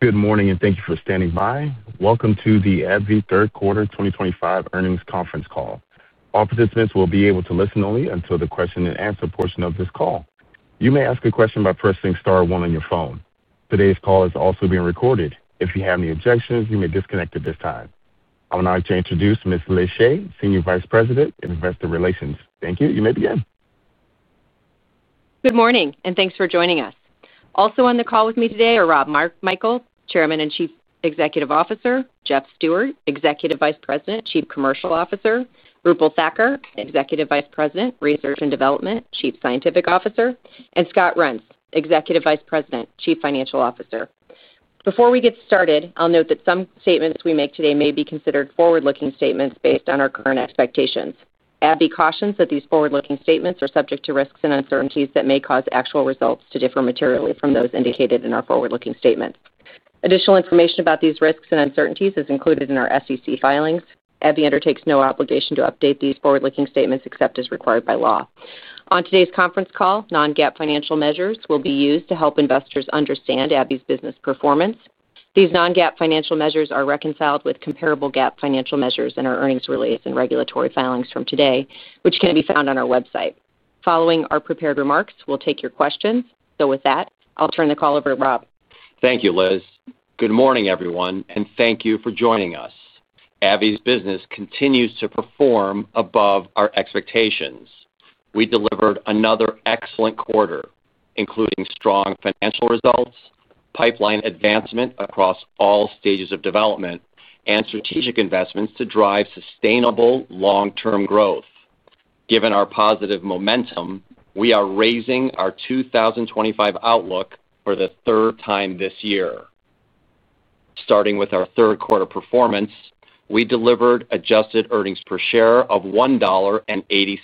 Good morning and thank you for standing by. Welcome to the AbbVie third quarter 2025 earnings conference call. All participants will be able to listen only until the question-and-answer portion of this call. You may ask a question by pressing star one on your phone. Today's call is also being recorded. If you have any objections, you may disconnect at this time. I would now like to introduce Ms. Liz Shea, Senior Vice President of Investor Relations. Thank you. You may begin. Good morning and thanks for joining us. Also on the call with me today are Rob Michael, Chairman and Chief Executive Officer, Jeff Stewart, Executive Vice President, Chief Commercial Officer, Roopal Thakkar, Executive Vice President, Research and Development, Chief Scientific Officer, and Scott Reents, Executive Vice President, Chief Financial Officer. Before we get started, I'll note that some statements we make today may be considered forward-looking statements based on our current expectations. AbbVie cautions that these forward-looking statements are subject to risks and uncertainties that may cause actual results to differ materially from those indicated in our forward-looking statements. Additional information about these risks and uncertainties is included in our SEC filings. AbbVie undertakes no obligation to update these forward-looking statements except as required by law. On today's conference call, non-GAAP financial measures will be used to help investors understand AbbVie's business performance. These non-GAAP financial measures are reconciled with comparable GAAP financial measures in our earnings release and regulatory filings from today, which can be found on our website. Following our prepared remarks, we'll take your questions. With that, I'll turn the call over to Rob. Thank you, Liz. Good morning, everyone, and thank you for joining us. AbbVie's business continues to perform above our expectations. We delivered another excellent quarter, including strong financial results, pipeline advancement across all stages of development, and strategic investments to drive sustainable long-term growth. Given our positive momentum, we are raising our 2025 outlook for the third time this year. Starting with our third quarter performance, we delivered adjusted earnings per share of $1.86,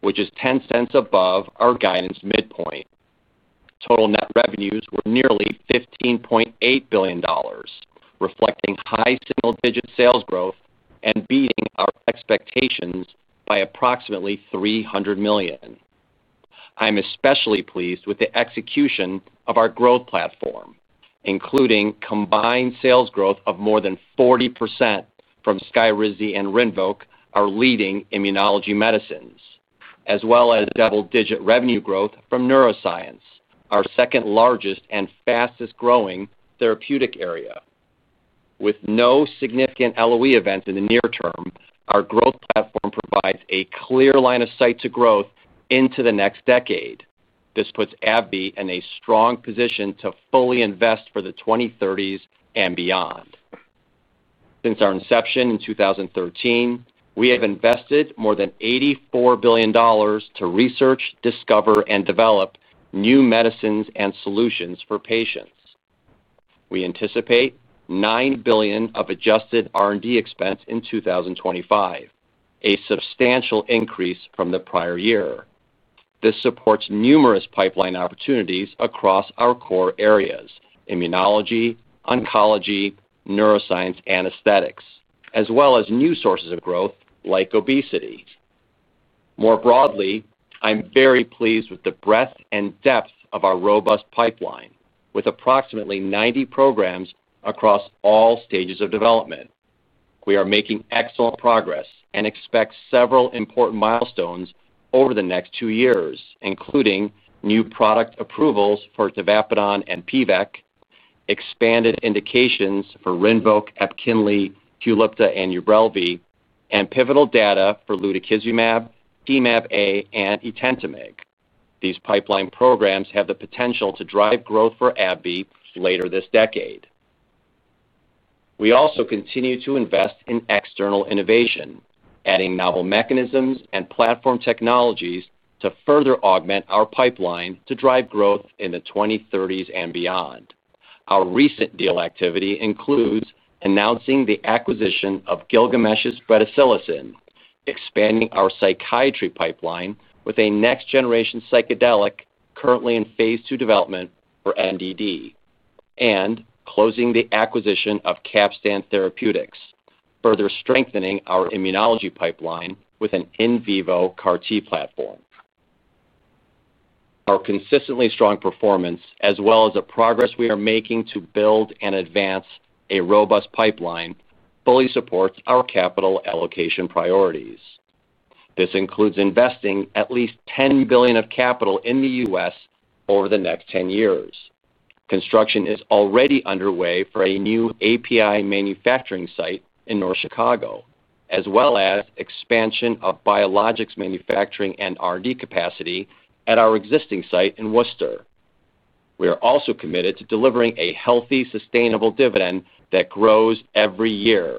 which is $0.10 above our guidance midpoint. Total net revenues were nearly $15.8 billion, reflecting high single-digit sales growth and beating our expectations by approximately $300 million. I'm especially pleased with the execution of our growth platform, including combined sales growth of more than 40% from SKYRIZI and RINVOQ, our leading immunology medicines, as well as double-digit revenue growth from neuroscience, our second largest and fastest-growing therapeutic area. With no significant LOE event in the near term, our growth platform provides a clear line of sight to growth into the next decade. This puts AbbVie in a strong position to fully invest for the 2030s and beyond. Since our inception in 2013, we have invested more than $84 billion to research, discover, and develop new medicines and solutions for patients. We anticipate $9 billion of adjusted R&D expense in 2025, a substantial increase from the prior year. This supports numerous pipeline opportunities across our core areas: immunology, oncology, neuroscience, and aesthetics, as well as new sources of growth like obesity. More broadly, I'm very pleased with the breadth and depth of our robust pipeline, with approximately 90 programs across all stages of development. We are making excellent progress and expect several important milestones over the next two years, including new product approvals for tavapadon and PVEK, expanded indications for RINVOQ, EPKINLY, QULIPTA, and UBRELVY, and pivotal data for lutikizumab, Temab-A, and etentamig. These pipeline programs have the potential to drive growth for AbbVie later this decade. We also continue to invest in external innovation, adding novel mechanisms and platform technologies to further augment our pipeline to drive growth in the 2030s and beyond. Our recent deal activity includes announcing the acquisition of Gilgamesh' bretisilocin, expanding our psychiatry pipeline with a next-generation psychedelic currently in phase II development for major depressive disorder, and closing the acquisition of Capstan Therapeutics, further strengthening our immunology pipeline with an in vivo CAR-T platform. Our consistently strong performance, as well as the progress we are making to build and advance a robust pipeline, fully supports our capital allocation priorities. This includes investing at least $10 billion of capital in the U.S. over the next 10 years. Construction is already underway for a new API manufacturing site in North Chicago, as well as expansion of biologics manufacturing and R&D capacity at our existing site in Worcester. We are also committed to delivering a healthy, sustainable dividend that grows every year.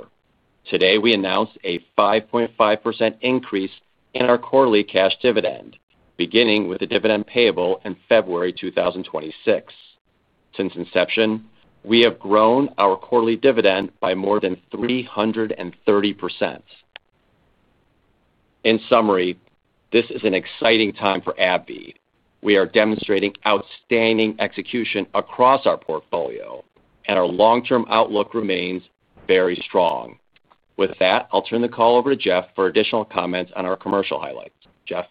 Today, we announced a 5.5% increase in our quarterly cash dividend, beginning with a dividend payable in February 2026. Since inception, we have grown our quarterly dividend by more than 330%. In summary, this is an exciting time for AbbVie. We are demonstrating outstanding execution across our portfolio, and our long-term outlook remains very strong. With that, I'll turn the call over to Jeff for additional comments on our commercial highlights. Jeff.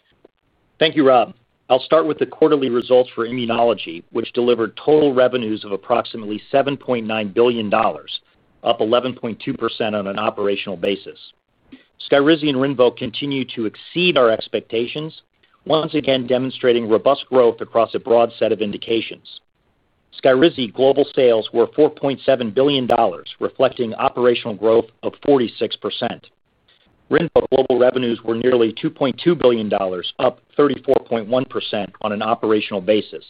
Thank you, Rob. I'll start with the quarterly results for immunology, which delivered total revenues of approximately $7.9 billion, up 11.2% on an operational basis. SKYRIZI and RINVOQ continued to exceed our expectations, once again demonstrating robust growth across a broad set of indications. SKYRIZI global sales were $4.7 billion, reflecting operational growth of 46%. RINVOQ global revenues were nearly $2.2 billion, up 34.1% on an operational basis.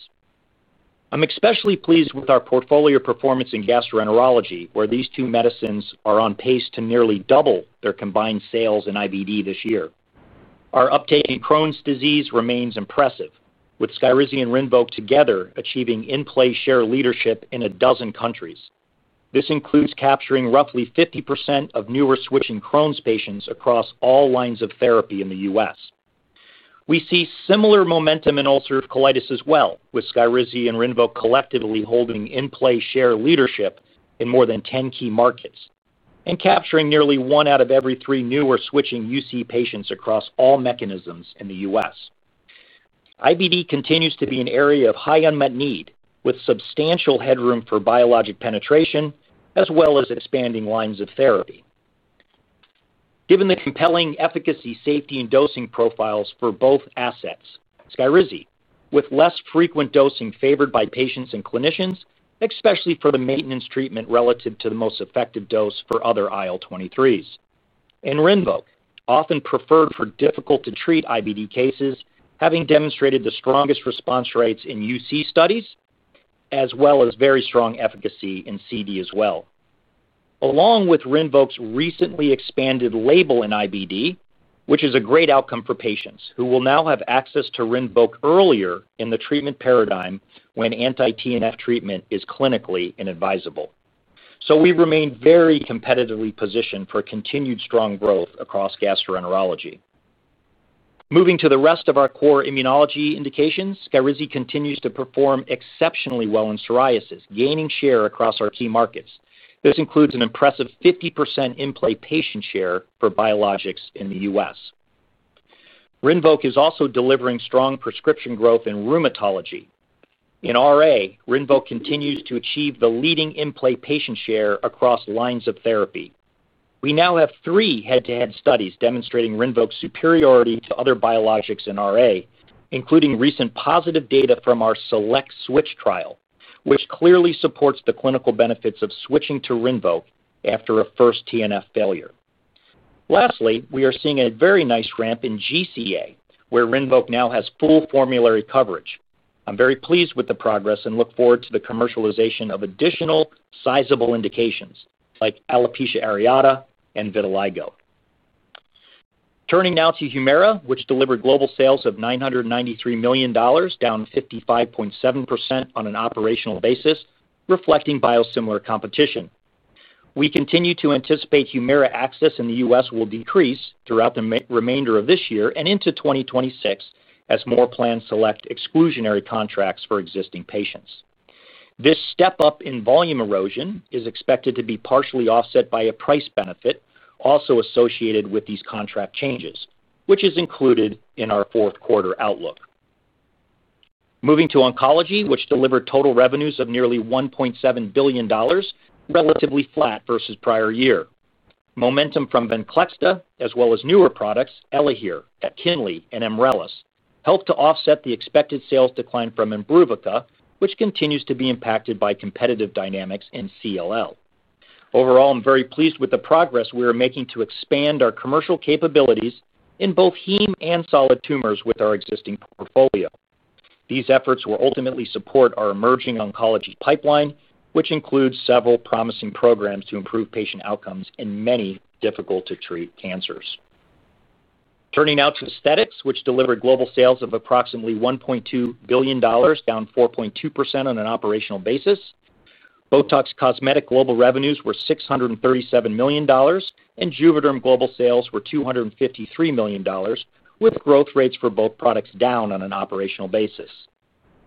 I'm especially pleased with our portfolio performance in gastroenterology, where these two medicines are on pace to nearly double their combined sales in IBD this year. Our uptake in Crohn's disease remains impressive, with SKYRIZI and RINVOQ together achieving in-play share leadership in a dozen countries. This includes capturing roughly 50% of newer switching Crohn's patients across all lines of therapy in the U.S. We see similar momentum in ulcerative colitis as well, with SKYRIZI and RINVOQ collectively holding in-play share leadership in more than 10 key markets and capturing nearly one out of every three newer switching UC patients across all mechanisms in the U.S. IBD continues to be an area of high unmet need, with substantial headroom for biologic penetration as well as expanding lines of therapy. Given the compelling efficacy, safety, and dosing profiles for both assets, SKYRIZI with less frequent dosing favored by patients and clinicians, especially for the maintenance treatment relative to the most effective dose for other IL-23s, and RINVOQ, often preferred for difficult-to-treat IBD cases, having demonstrated the strongest response rates in UC studies, as well as very strong efficacy in CD as well. Along with RINVOQ's recently expanded label in IBD, which is a great outcome for patients who will now have access to RINVOQ earlier in the treatment paradigm when anti-TNF treatment is clinically inadvisable, we remain very competitively positioned for continued strong growth across gastroenterology. Moving to the rest of our core immunology indications, SKYRIZI continues to perform exceptionally well in psoriasis, gaining share across our key markets. This includes an impressive 50% in-play patient share for biologics in the U.S. RINVOQ is also delivering strong prescription growth in rheumatology. In RA, RINVOQ continues to achieve the leading in-play patient share across lines of therapy. We now have three head-to-head studies demonstrating RINVOQ's superiority to other biologics in RA, including recent positive data from our SELECT-SWITCH trial, which clearly supports the clinical benefits of switching to RINVOQ after a first TNF failure. Lastly, we are seeing a very nice ramp in GCA, where RINVOQ now has full formulary coverage. I'm very pleased with the progress and look forward to the commercialization of additional sizable indications like alopecia areata and vitiligo. Turning now to HUMIRA, which delivered global sales of $993 million, down 55.7% on an operational basis, reflecting biosimilar competition. We continue to anticipate HUMIRA access in the U.S. will decrease throughout the remainder of this year and into 2026 as more plans select exclusionary contracts for existing patients. This step-up in volume erosion is expected to be partially offset by a price benefit also associated with these contract changes, which is included in our fourth quarter outlook. Moving to oncology, which delivered total revenues of nearly $1.7 billion, relatively flat versus prior year. Momentum from VENCLEXTA, as well as newer products ELAHERE, EPKINLY, and EMRELIS, helped to offset the expected sales decline from IMBRUVICA, which continues to be impacted by competitive dynamics in CLL. Overall, I'm very pleased with the progress we are making to expand our commercial capabilities in both heme and solid tumors with our existing portfolio. These efforts will ultimately support our emerging oncology pipeline, which includes several promising programs to improve patient outcomes in many difficult-to-treat cancers. Turning now to aesthetics, which delivered global sales of approximately $1.2 billion, down 4.2% on an operational basis. BOTOX cosmetic global revenues were $637 million, and JUVÉDERM global sales were $253 million, with growth rates for both products down on an operational basis.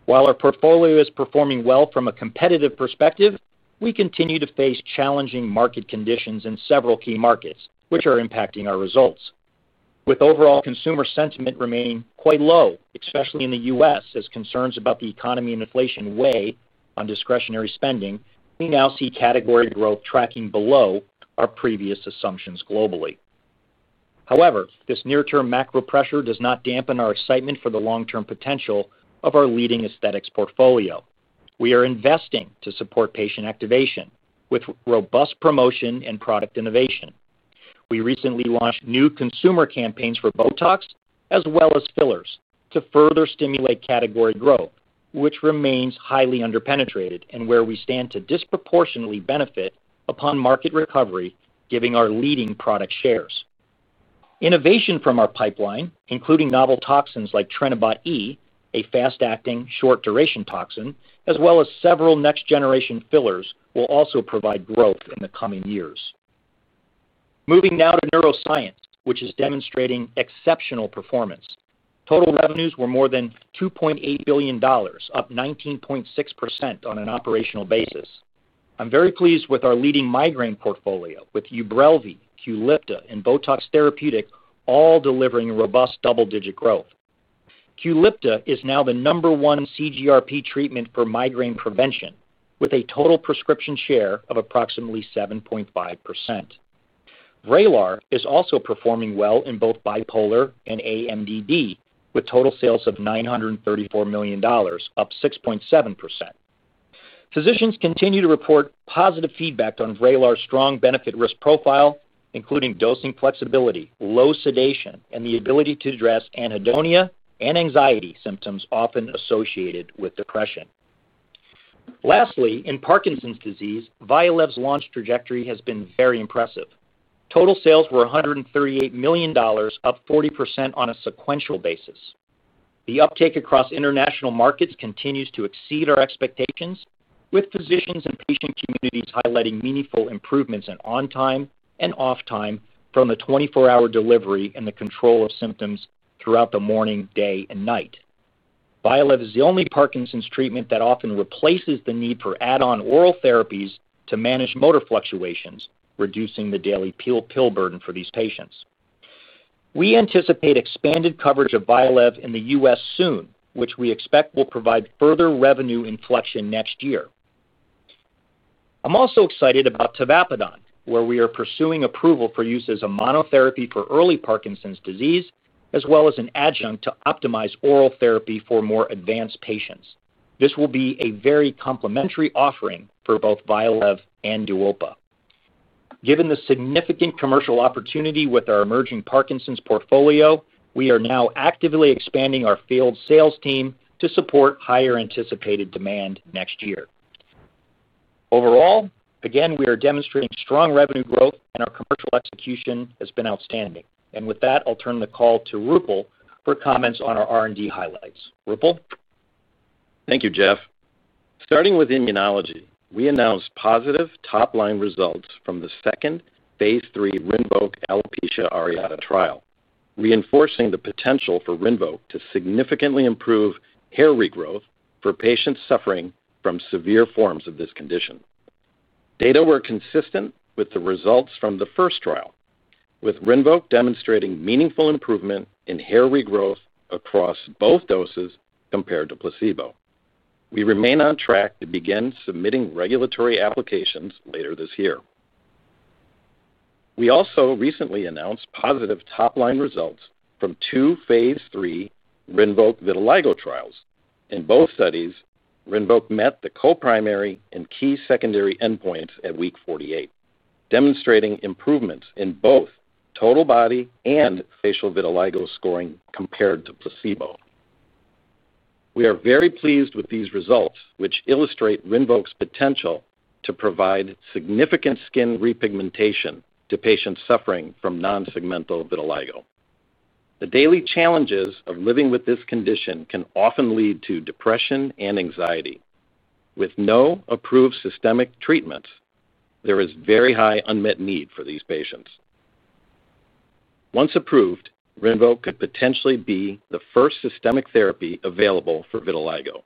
While our portfolio is performing well from a competitive perspective, we continue to face challenging market conditions in several key markets, which are impacting our results. With overall consumer sentiment remaining quite low, especially in the U.S., as concerns about the economy and inflation weigh on discretionary spending, we now see category growth tracking below our previous assumptions globally. However, this near-term macro pressure does not dampen our excitement for the long-term potential of our leading aesthetics portfolio. We are investing to support patient activation with robust promotion and product innovation. We recently launched new consumer campaigns for BOTOX as well as fillers to further stimulate category growth, which remains highly underpenetrated and where we stand to disproportionately benefit upon market recovery, given our leading product shares. Innovation from our pipeline, including novel toxins like TrenibotE, a fast-acting, short-duration toxin, as well as several next-generation fillers, will also provide growth in the coming years. Moving now to neuroscience, which is demonstrating exceptional performance. Total revenues were more than $2.8 billion, up 19.6% on an operational basis. I'm very pleased with our leading migraine portfolio, with UBRELVY, QULIPTA, and BOTOX Therapeutic all delivering robust double-digit growth. QULIPTA is now the number one CGRP treatment for migraine prevention, with a total prescription share of approximately 7.5%. VRAYLAR is also performing well in both bipolar and aMDD, with total sales of $934 million, up 6.7%. Physicians continue to report positive feedback on VRAYLAR's strong benefit-risk profile, including dosing flexibility, low sedation, and the ability to address anhedonia and anxiety symptoms often associated with depression. Lastly, in Parkinson's disease, VYALEV's launch trajectory has been very impressive. Total sales were $138 million, up 40% on a sequential basis. The uptake across international markets continues to exceed our expectations, with physicians and patient communities highlighting meaningful improvements in on-time and off-time from the 24-hour delivery and the control of symptoms throughout the morning, day, and night. VYALEV is the only Parkinson's treatment that often replaces the need for add-on oral therapies to manage motor fluctuations, reducing the daily pill burden for these patients. We anticipate expanded coverage of VYALEV in the U.S. soon, which we expect will provide further revenue inflection next year. I'm also excited about tavapadon, where we are pursuing approval for use as a monotherapy for early Parkinson's disease, as well as an adjunct to optimize oral therapy for more advanced patients. This will be a very complementary offering for both VYALEV and DUOPA. Given the significant commercial opportunity with our emerging Parkinson's portfolio, we are now actively expanding our field sales team to support higher anticipated demand next year. Overall, again, we are demonstrating strong revenue growth, and our commercial execution has been outstanding. With that, I'll turn the call to Roopal for comments on our R&D highlights. Roopal. Thank you, Jeff. Starting with immunology, we announced positive top-line results from the second phase III RINVOQ alopecia areata trial, reinforcing the potential for RINVOQ to significantly improve hair regrowth for patients suffering from severe forms of this condition. Data were consistent with the results from the first trial, with RINVOQ demonstrating meaningful improvement in hair regrowth across both doses compared to placebo. We remain on track to begin submitting regulatory applications later this year. We also recently announced positive top-line results from two phase III RINVOQ vitiligo trials. In both studies, RINVOQ met the co-primary and key secondary endpoints at week 48, demonstrating improvements in both total body and facial vitiligo scoring compared to placebo. We are very pleased with these results, which illustrate RINVOQ's potential to provide significant skin repigmentation to patients suffering from non-segmental vitiligo. The daily challenges of living with this condition can often lead to depression and anxiety. With no approved systemic treatments, there is very high unmet need for these patients. Once approved, RINVOQ could potentially be the first systemic therapy available for vitiligo.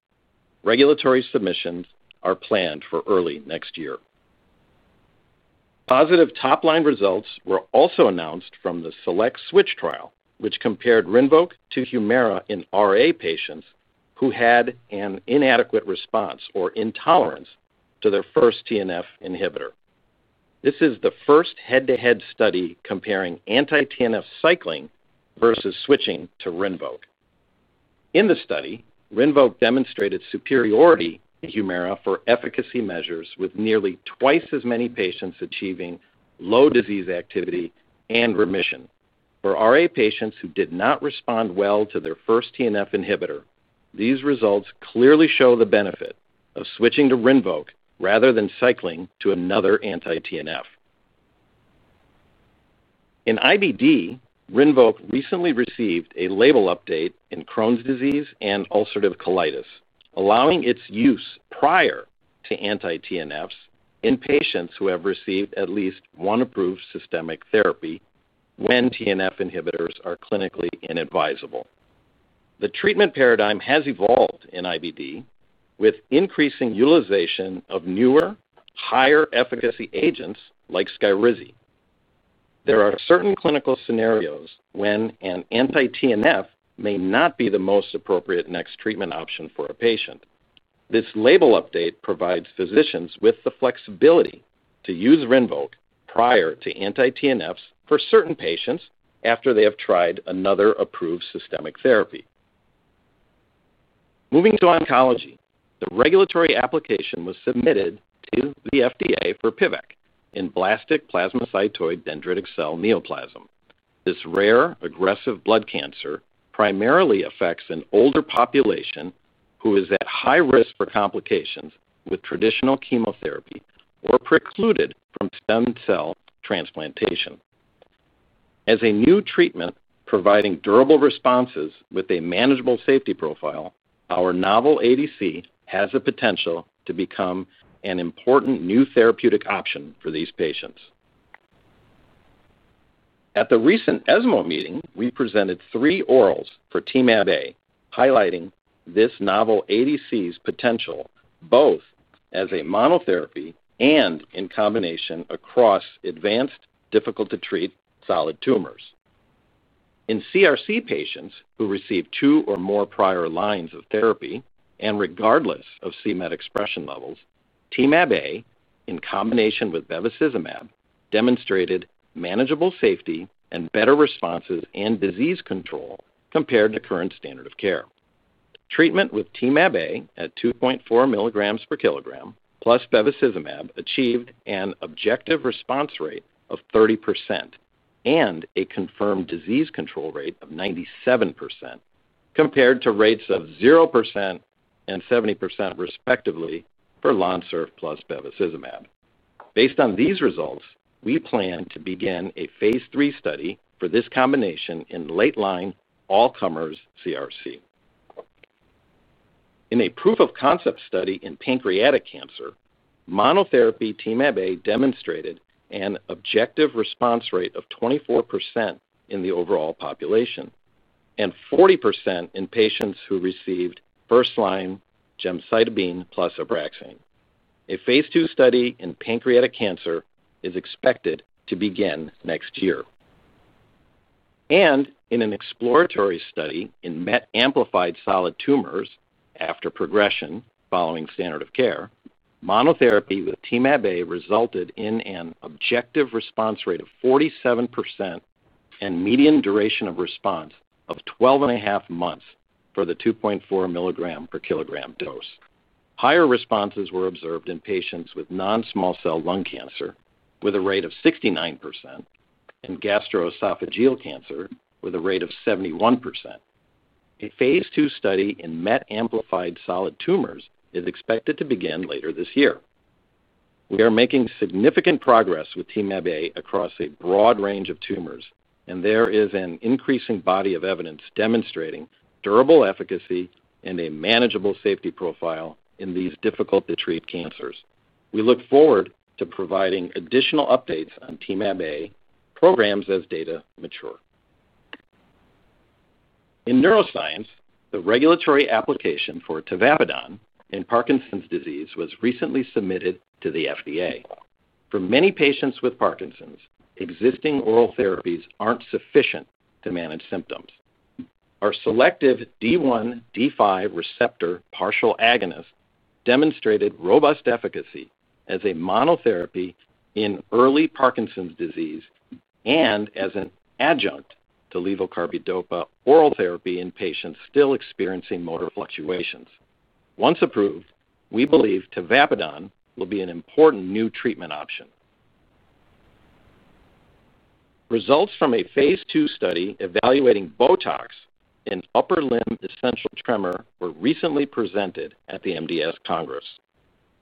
Regulatory submissions are planned for early next year. Positive top-line results were also announced from the SELECT-SWITCH trial, which compared RINVOQ to HUMIRA in RA patients who had an inadequate response or intolerance to their first TNF inhibitor. This is the first head-to-head study comparing anti-TNF cycling versus switching to RINVOQ. In the study, RINVOQ demonstrated superiority in HUMIRA for efficacy measures, with nearly twice as many patients achieving low disease activity and remission. For RA patients who did not respond well to their first TNF inhibitor, these results clearly show the benefit of switching to RINVOQ rather than cycling to another anti-TNF. In IBD, RINVOQ recently received a label update in Crohn's disease and ulcerative colitis, allowing its use prior to anti-TNFs in patients who have received at least one approved systemic therapy when TNF inhibitors are clinically inadvisable. The treatment paradigm has evolved in IBD, with increasing utilization of newer, higher efficacy agents like SKYRIZI. There are certain clinical scenarios when an anti-TNF may not be the most appropriate next treatment option for a patient. This label update provides physicians with the flexibility to use RINVOQ prior to anti-TNFs for certain patients after they have tried another approved systemic therapy. Moving to oncology, the regulatory application was submitted to the FDA for PVEK in blastic plasmacytoid dendritic cell neoplasm. This rare, aggressive blood cancer primarily affects an older population who is at high risk for complications with traditional chemotherapy or precluded from stem cell transplantation. As a new treatment providing durable responses with a manageable safety profile, our novel ADC has the potential to become an important new therapeutic option for these patients. At the recent ESMO meeting, we presented three orals for Temab-A, highlighting this novel ADC's potential both as a monotherapy and in combination across advanced, difficult-to-treat solid tumors. In CRC patients who received two or more prior lines of therapy, and regardless of c-MET expression levels, Temab-A, in combination with bevacizumab, demonstrated manageable safety and better responses in disease control compared to current standard of care. Treatment with Temab-A at 2.4 mg per kg, plus bevacizumab, achieved an objective response rate of 30% and a confirmed disease control rate of 97% compared to rates of 0% and 70%, respectively, for LONSURF plus bevacizumab. Based on these results, we plan to begin a phase III study for this combination in late-line all-comers CRC. In a proof of concept study in pancreatic cancer, monotherapy Temab-A demonstrated an objective response rate of 24% in the overall population and 40% in patients who received first-line gemcitabine plus ABRAXANE. A phase II study in pancreatic cancer is expected to begin next year. In an exploratory study in MET-amplified solid tumors after progression following standard of care, monotherapy with Temab-A resulted in an objective response rate of 47% and median duration of response of 12.5 months for the 2.4 mg per kg dose. Higher responses were observed in patients with non-small cell lung cancer, with a rate of 69%, and gastroesophageal cancer, with a rate of 71%. A phase II study in MET-amplified solid tumors is expected to begin later this year. We are making significant progress with Temab-A across a broad range of tumors, and there is an increasing body of evidence demonstrating durable efficacy and a manageable safety profile in these difficult-to-treat cancers. We look forward to providing additional updates on Temab-A programs as data mature. In neuroscience, the regulatory application for tavapadon in Parkinson’s disease was recently submitted to the FDA. For many patients with Parkinson’s, existing oral therapies aren’t sufficient to manage symptoms. Our selective D1/D5 receptor partial agonist demonstrated robust efficacy as a monotherapy in early Parkinson’s disease and as an adjunct to levodopa/carbidopa oral therapy in patients still experiencing motor fluctuations. Once approved, we believe tavapadon will be an important new treatment option. Results from a phase II study evaluating BOTOX in upper limb essential tremor were recently presented at the MDS Congress.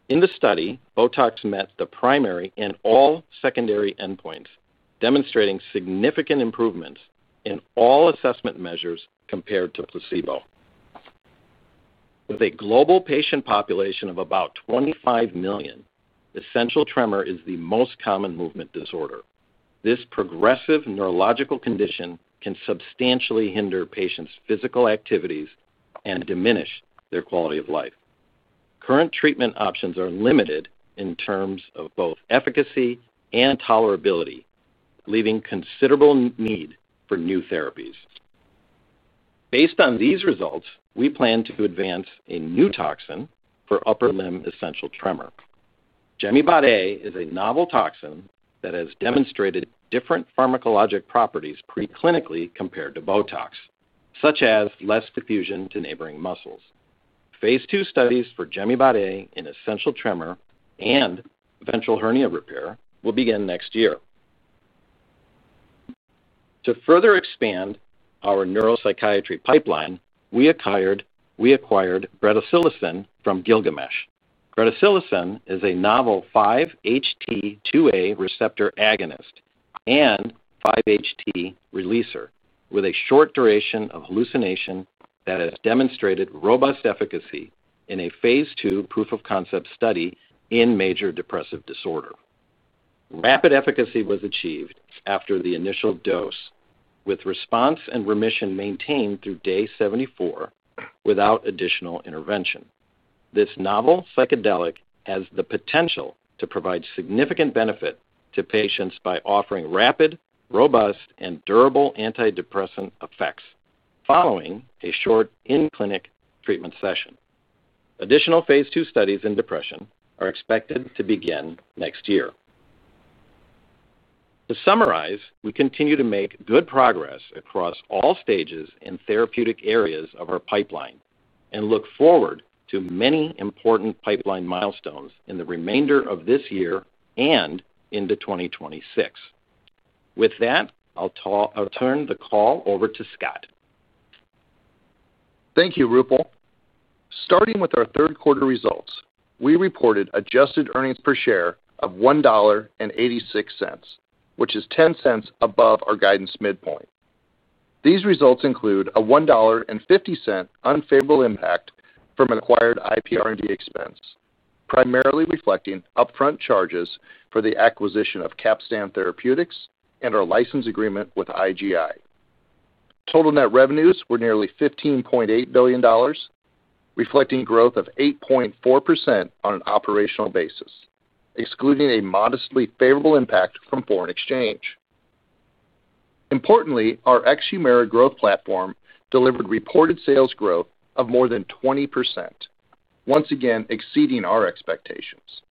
In the study, BOTOX met the primary and all secondary endpoints, demonstrating significant improvements in all assessment measures compared to placebo. With a global patient population of about 25 million, essential tremor is the most common movement disorder. This progressive neurological condition can substantially hinder patients’ physical activities and diminish their quality of life. Current treatment options are limited in terms of both efficacy and tolerability, leaving considerable need for new therapies. Based on these results, we plan to advance a new toxin for upper limb essential tremor. Gemibot A is a novel toxin that has demonstrated different pharmacologic properties preclinically compared to BOTOX, such as less diffusion to neighboring muscles. Phase II studies for Gemibot A in essential tremor and ventral hernia repair will begin next year. To further expand our neuropsychiatry pipeline, we acquired bretisilocin from Gilgamesh. bretisilocin is a novel 5-HT2A receptor agonist and 5-HT releaser, with a short duration of hallucination that has demonstrated robust efficacy in a phase II proof of concept study in major depressive disorder. Rapid efficacy was achieved after the initial dose, with response and remission maintained through day 74 without additional intervention. This novel psychedelic has the potential to provide significant benefit to patients by offering rapid, robust, and durable antidepressant effects following a short in-clinic treatment session. Additional phase II studies in depression are expected to begin next year. To summarize, we continue to make good progress across all stages in therapeutic areas of our pipeline and look forward to many important pipeline milestones in the remainder of this year and into 2026. With that, I'll turn the call over to Scott. Thank you, Roopal. Starting with our third-quarter results, we reported adjusted earnings per share of $1.86, which is $0.10 above our guidance midpoint. These results include a $1.50 unfavorable impact from acquired IPR&D expense, primarily reflecting upfront charges for the acquisition of Capstan Therapeutics and our license agreement with IGI. Total net revenues were nearly $15.8 billion, reflecting growth of 8.4% on an operational basis, excluding a modestly favorable impact from foreign exchange. Importantly, our ex-HUMIRA growth platform delivered reported sales growth of more than 20%, once again exceeding our expectations.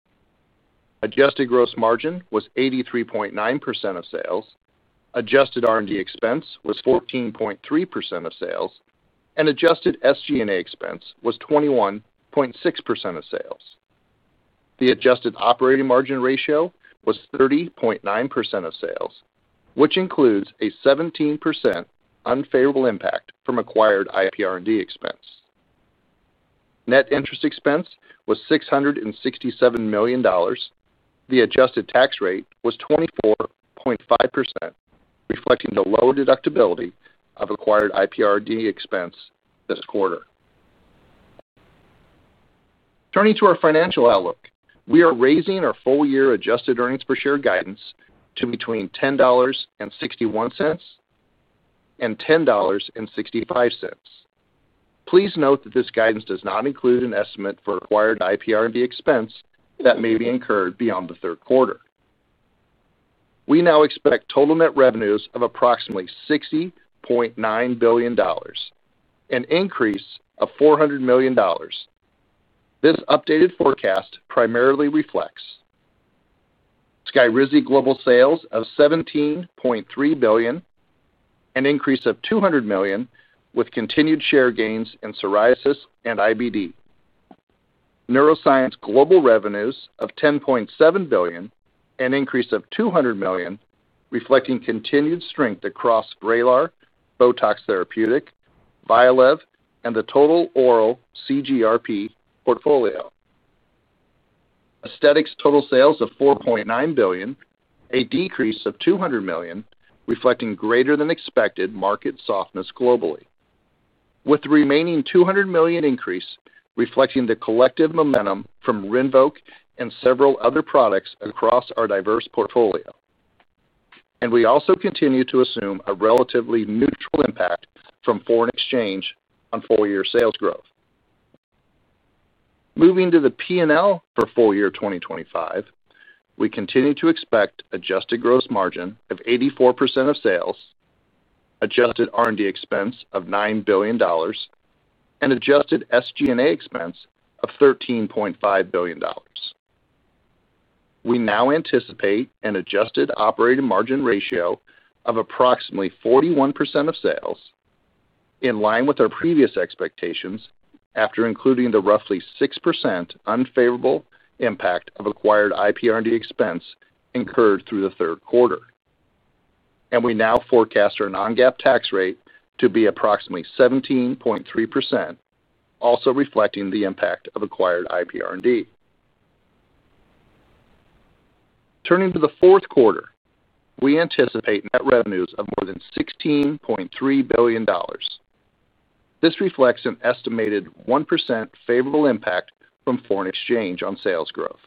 Adjusted gross margin was 83.9% of sales, adjusted R&D expense was 14.3% of sales, and adjusted SG&A expense was 21.6% of sales. The adjusted operating margin ratio was 30.9% of sales, which includes a 17% unfavorable impact from acquired IPR&D expense. Net interest expense was $667 million. The adjusted tax rate was 24.5%, reflecting the low deductibility of acquired IPR&D expense this quarter. Turning to our financial outlook, we are raising our full-year adjusted earnings per share guidance to between $10.61 and $10.65. Please note that this guidance does not include an estimate for acquired IPR&D expense that may be incurred beyond the third quarter. We now expect total net revenues of approximately $60.9 billion, an increase of $400 million. This updated forecast primarily reflects SKYRIZI global sales of $17.3 billion, an increase of $200 million with continued share gains in psoriasis and IBD. Neuroscience global revenues of $10.7 billion, an increase of $200 million, reflecting continued strength across VRAYLAR, BOTOX Therapeutic, VYALEV, and the total oral CGRP portfolio. Aesthetics total sales of $4.9 billion, a decrease of $200 million, reflecting greater than expected market softness globally, with the remaining $200 million increase reflecting the collective momentum from RINVOQ and several other products across our diverse portfolio. We also continue to assume a relatively neutral impact from foreign exchange on full-year sales growth. Moving to the P&L for full year 2025, we continue to expect adjusted gross margin of 84% of sales, adjusted R&D expense of $9 billion, and adjusted SG&A expense of $13.5 billion. We now anticipate an adjusted operating margin ratio of approximately 41% of sales. In line with our previous expectations after including the roughly 6% unfavorable impact of acquired IPR&D expense incurred through the third quarter, we now forecast our non-GAAP tax rate to be approximately 17.3%, also reflecting the impact of acquired IPR&D. Turning to the fourth quarter, we anticipate net revenues of more than $16.3 billion. This reflects an estimated 1% favorable impact from foreign exchange on sales growth.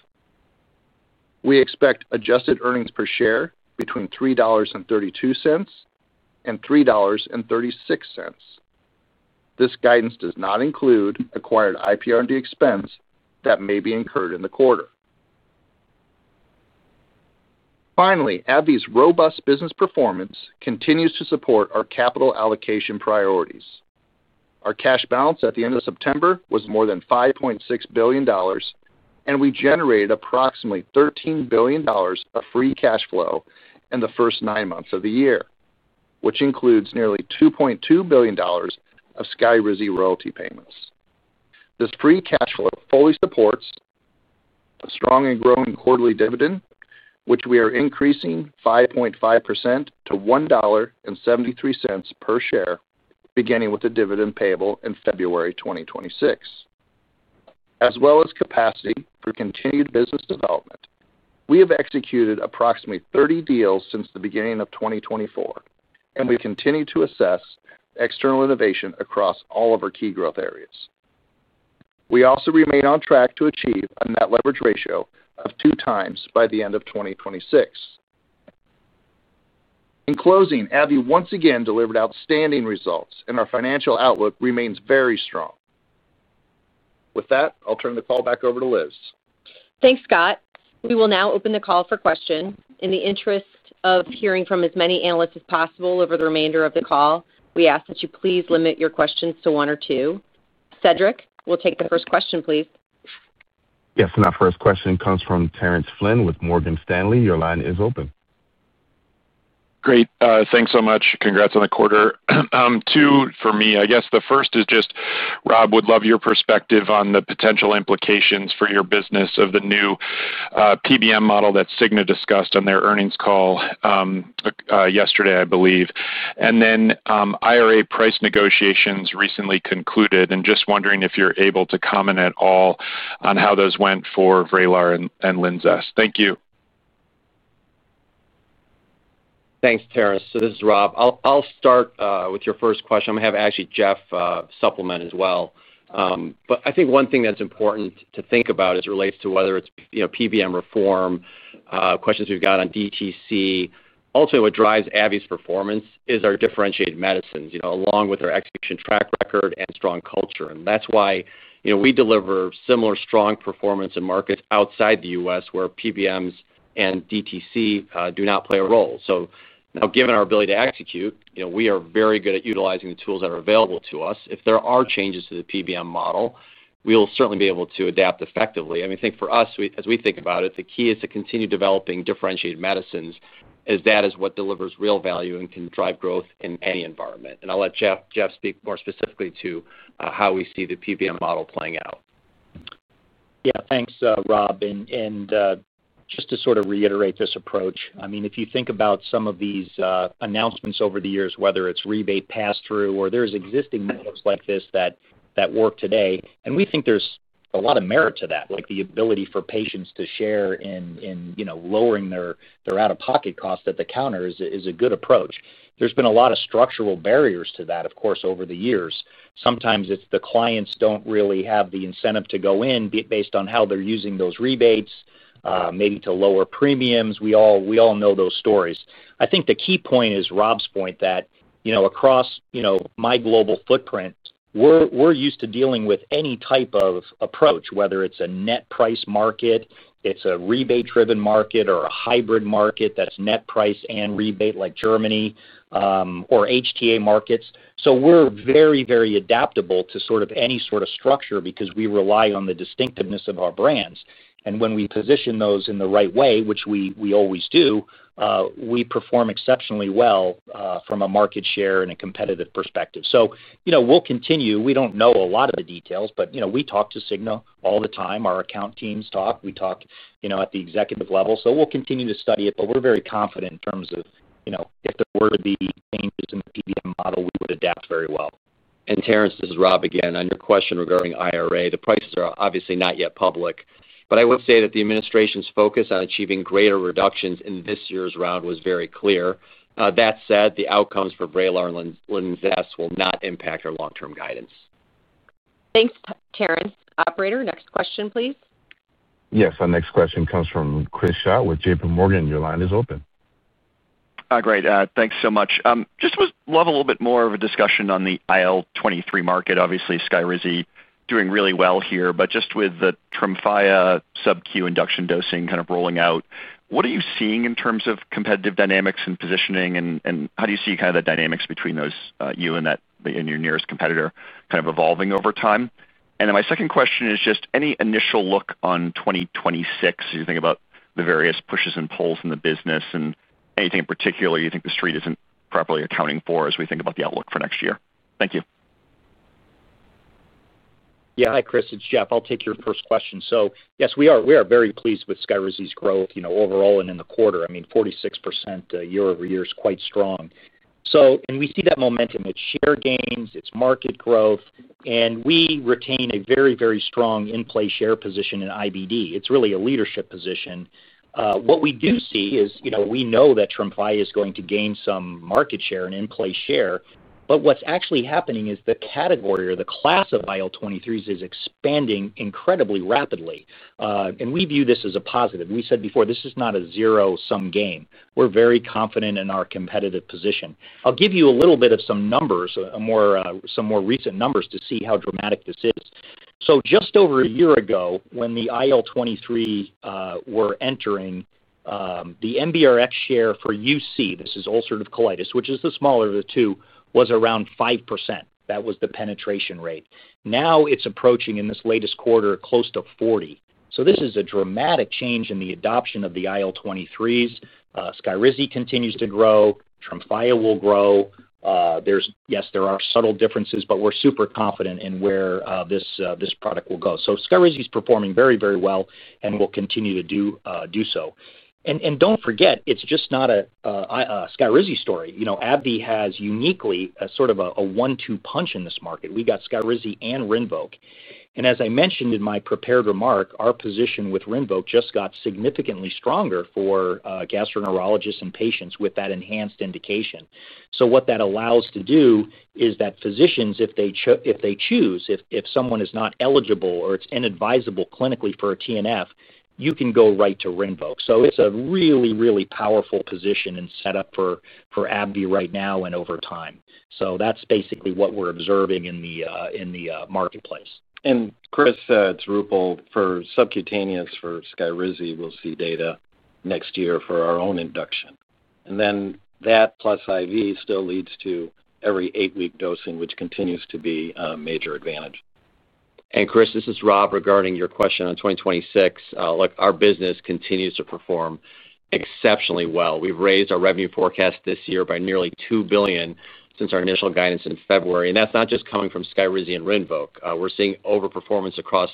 We expect adjusted earnings per share between $3.32 and $3.36. This guidance does not include acquired IPR&D expense that may be incurred in the quarter. Finally, AbbVie's robust business performance continues to support our capital allocation priorities. Our cash balance at the end of September was more than $5.6 billion, and we generated approximately $13 billion of free cash flow in the first nine months of the year, which includes nearly $2.2 billion of SKYRIZI royalty payments. This free cash flow fully supports a strong and growing quarterly dividend, which we are increasing 5.5% to $1.73 per share, beginning with a dividend payable in February 2026, as well as capacity for continued business development. We have executed approximately 30 deals since the beginning of 2024, and we continue to assess external innovation across all of our key growth areas. We also remain on track to achieve a net leverage ratio of 2x by the end of 2026. In closing, AbbVie once again delivered outstanding results, and our financial outlook remains very strong. With that, I'll turn the call back over to Liz. Thanks, Scott. We will now open the call for questions. In the interest of hearing from as many analysts as possible over the remainder of the call, we ask that you please limit your questions to one or two. Cedric, we'll take the first question, please. Yes. Our first question comes from Terrence Flynn with Morgan Stanley. Your line is open. Great. Thanks so much. Congrats on the quarter. Two for me, I guess. The first is just, Rob, would love your perspective on the potential implications for your business of the new PBM model that Cigna discussed on their earnings call yesterday, I believe. IRA price negotiations recently concluded, and just wondering if you're able to comment at all on how those went for VRAYLAR and LINZESS. Thank you. Thanks, Terrence. This is Rob. I'll start with your first question. I'm going to have Jeff supplement as well. I think one thing that's important to think about as it relates to whether it's PBM reform or questions we've got on DTC, ultimately what drives AbbVie's performance is our differentiated medicines, along with our execution track record and strong culture. That's why we deliver similar strong performance in markets outside the U.S. where PBMs and DTC do not play a role. Given our ability to execute, we are very good at utilizing the tools that are available to us. If there are changes to the PBM model, we will certainly be able to adapt effectively. I think for us, as we think about it, the key is to continue developing differentiated medicines, as that is what delivers real value and can drive growth in any environment. I'll let Jeff speak more specifically to how we see the PBM model playing out. Yeah. Thanks, Rob. Just to sort of reiterate this approach, if you think about some of these announcements over the years, whether it's rebate pass-through or there are existing models like this that work today, we think there's a lot of merit to that, like the ability for patients to share in lowering their out-of-pocket cost at the counter is a good approach. There's been a lot of structural barriers to that, of course, over the years. Sometimes it's the clients don't really have the incentive to go in based on how they're using those rebates, maybe to lower premiums. We all know those stories. I think the key point is Rob's point that across my global footprint, we're used to dealing with any type of approach, whether it's a net price market, a rebate-driven market, or a hybrid market that's net price and rebate like Germany or HTA markets. We're very, very adaptable to any sort of structure because we rely on the distinctiveness of our brands. When we position those in the right way, which we always do, we perform exceptionally well from a market share and a competitive perspective. We'll continue. We don't know a lot of the details, but we talk to Cigna all the time. Our account teams talk. We talk at the executive level. We'll continue to study it, but we're very confident in terms of if there were to be changes in the PBM model, we would adapt very well. Terrence, this is Rob again. On your question regarding IRA, the prices are obviously not yet public, but I would say that the administration's focus on achieving greater reductions in this year's round was very clear. That said, the outcomes for VRAYLAR and LINZESS will not impact our long-term guidance. Thanks, Terrence. Operator, next question, please. Yes. Our next question comes from Chris Schott with JPMorgan. Your line is open. Great. Thanks so much. Just would love a little bit more of a discussion on the IL-23 market. Obviously, SKYRIZI doing really well here, but just with the TREMFYA sub-Q induction dosing kind of rolling out, what are you seeing in terms of competitive dynamics and positioning, and how do you see kind of the dynamics between you and your nearest competitor evolving over time? My second question is just any initial look on 2026 as you think about the various pushes and pulls in the business and anything in particular you think the street isn't properly accounting for as we think about the outlook for next year. Thank you. Yeah. Hi, Chris. It's Jeff. I'll take your first question. Yes, we are very pleased with SKYRIZI's growth overall and in the quarter. I mean, 46% year-over-year is quite strong. We see that momentum. It's share gains, it's market growth, and we retain a very, very strong in-play share position in IBD. It's really a leadership position. We know that TREMFYA is going to gain some market share and in-play share, but what's actually happening is the category or the class of IL-23s is expanding incredibly rapidly. We view this as a positive. We said before, this is not a zero-sum game. We're very confident in our competitive position. I'll give you a little bit of some numbers, some more recent numbers to see how dramatic this is. Just over a year ago, when the IL-23s were entering, the MBRX share for UC, this is ulcerative colitis, which is the smaller of the two, was around 5%. That was the penetration rate. Now it's approaching in this latest quarter close to 40%. This is a dramatic change in the adoption of the IL-23s. SKYRIZI continues to grow. TREMFYA will grow. Yes, there are subtle differences, but we're super confident in where this product will go. SKYRIZI is performing very, very well and will continue to do so. Don't forget, it's just not a SKYRIZI story. AbbVie has uniquely sort of a one-two punch in this market. We got SKYRIZI and RINVOQ. As I mentioned in my prepared remark, our position with RINVOQ just got significantly stronger for gastroenterologists and patients with that enhanced indication. What that allows to do is that physicians, if they choose, if someone is not eligible or it's inadvisable clinically for a TNF, you can go right to RINVOQ. It's a really, really powerful position and setup for AbbVie right now and over time. That's basically what we're observing in the marketplace. Chris, it's Roopal. For subcutaneous, for SKYRIZI, we'll see data next year for our own induction. That plus IV still leads to every eight-week dosing, which continues to be a major advantage. Chris, this is Rob regarding your question on 2026. Our business continues to perform exceptionally well. We've raised our revenue forecast this year by nearly $2 billion since our initial guidance in February. That's not just coming from SKYRIZI and RINVOQ. We're seeing overperformance across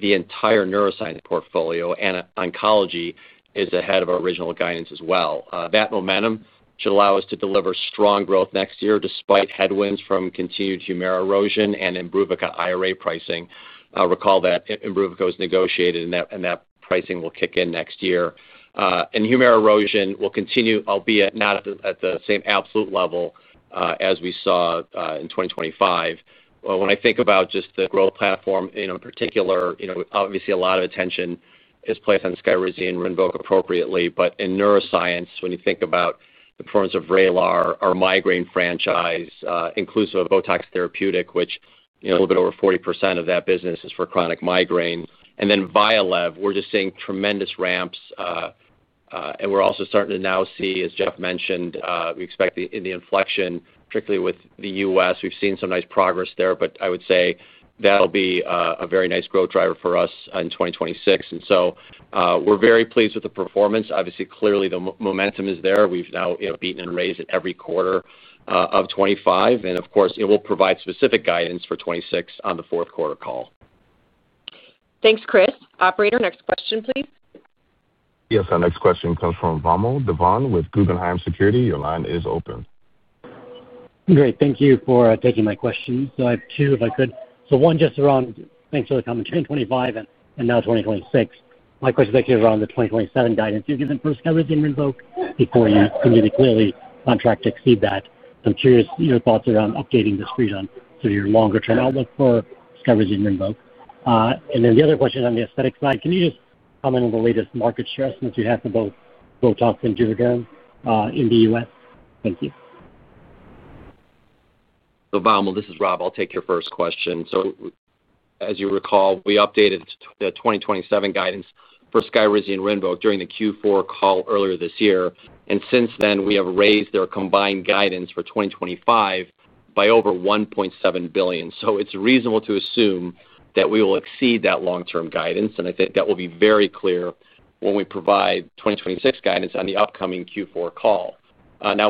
the entire neuroscience portfolio, and oncology is ahead of our original guidance as well. That momentum should allow us to deliver strong growth next year despite headwinds from continued HUMIRA erosion and IMBRUVICA IRA pricing. Recall that IMBRUVICA was negotiated, and that pricing will kick in next year. HUMIRA erosion will continue, albeit not at the same absolute level as we saw in 2025. When I think about just the growth platform in particular, obviously, a lot of attention is placed on SKYRIZI and RINVOQ appropriately. In neuroscience, when you think about the performance of VRAYLAR, our migraine franchise, inclusive of BOTOX Therapeutic, which a little bit over 40% of that business is for chronic migraine, and then VYALEV, we're just seeing tremendous ramps. We're also starting to now see, as Jeff mentioned, we expect in the inflection, particularly with the U.S., we've seen some nice progress there. I would say that'll be a very nice growth driver for us in 2026. We're very pleased with the performance. Obviously, clearly, the momentum is there. We've now beaten and raised at every quarter of 2025. It will provide specific guidance for 2026 on the fourth quarter call. Thanks, Chris. Operator, next question, please. Yes. Our next question comes from Vamil Divan with Guggenheim Securities. Your line is open. Great. Thank you for taking my question. I have two, if I could. One just around thanks for the comment in 2025 and now 2026. My question is actually around the 2027 guidance you've given for SKYRIZI and RINVOQ before you communicated clearly on track to exceed that. I'm curious your thoughts around updating the screen on sort of your longer-term outlook for SKYRIZI and RINVOQ. The other question on the aesthetic side, can you just comment on the latest market stress since you have both BOTOX and JUVÉDERM in the U.S.? Thank you. Vamil, this is Rob. I'll take your first question. As you recall, we updated the 2027 guidance for SKYRIZI and RINVOQ during the Q4 call earlier this year. Since then, we have raised their combined guidance for 2025 by over $1.7 billion. It is reasonable to assume that we will exceed that long-term guidance. I think that will be very clear when we provide 2026 guidance on the upcoming Q4 call.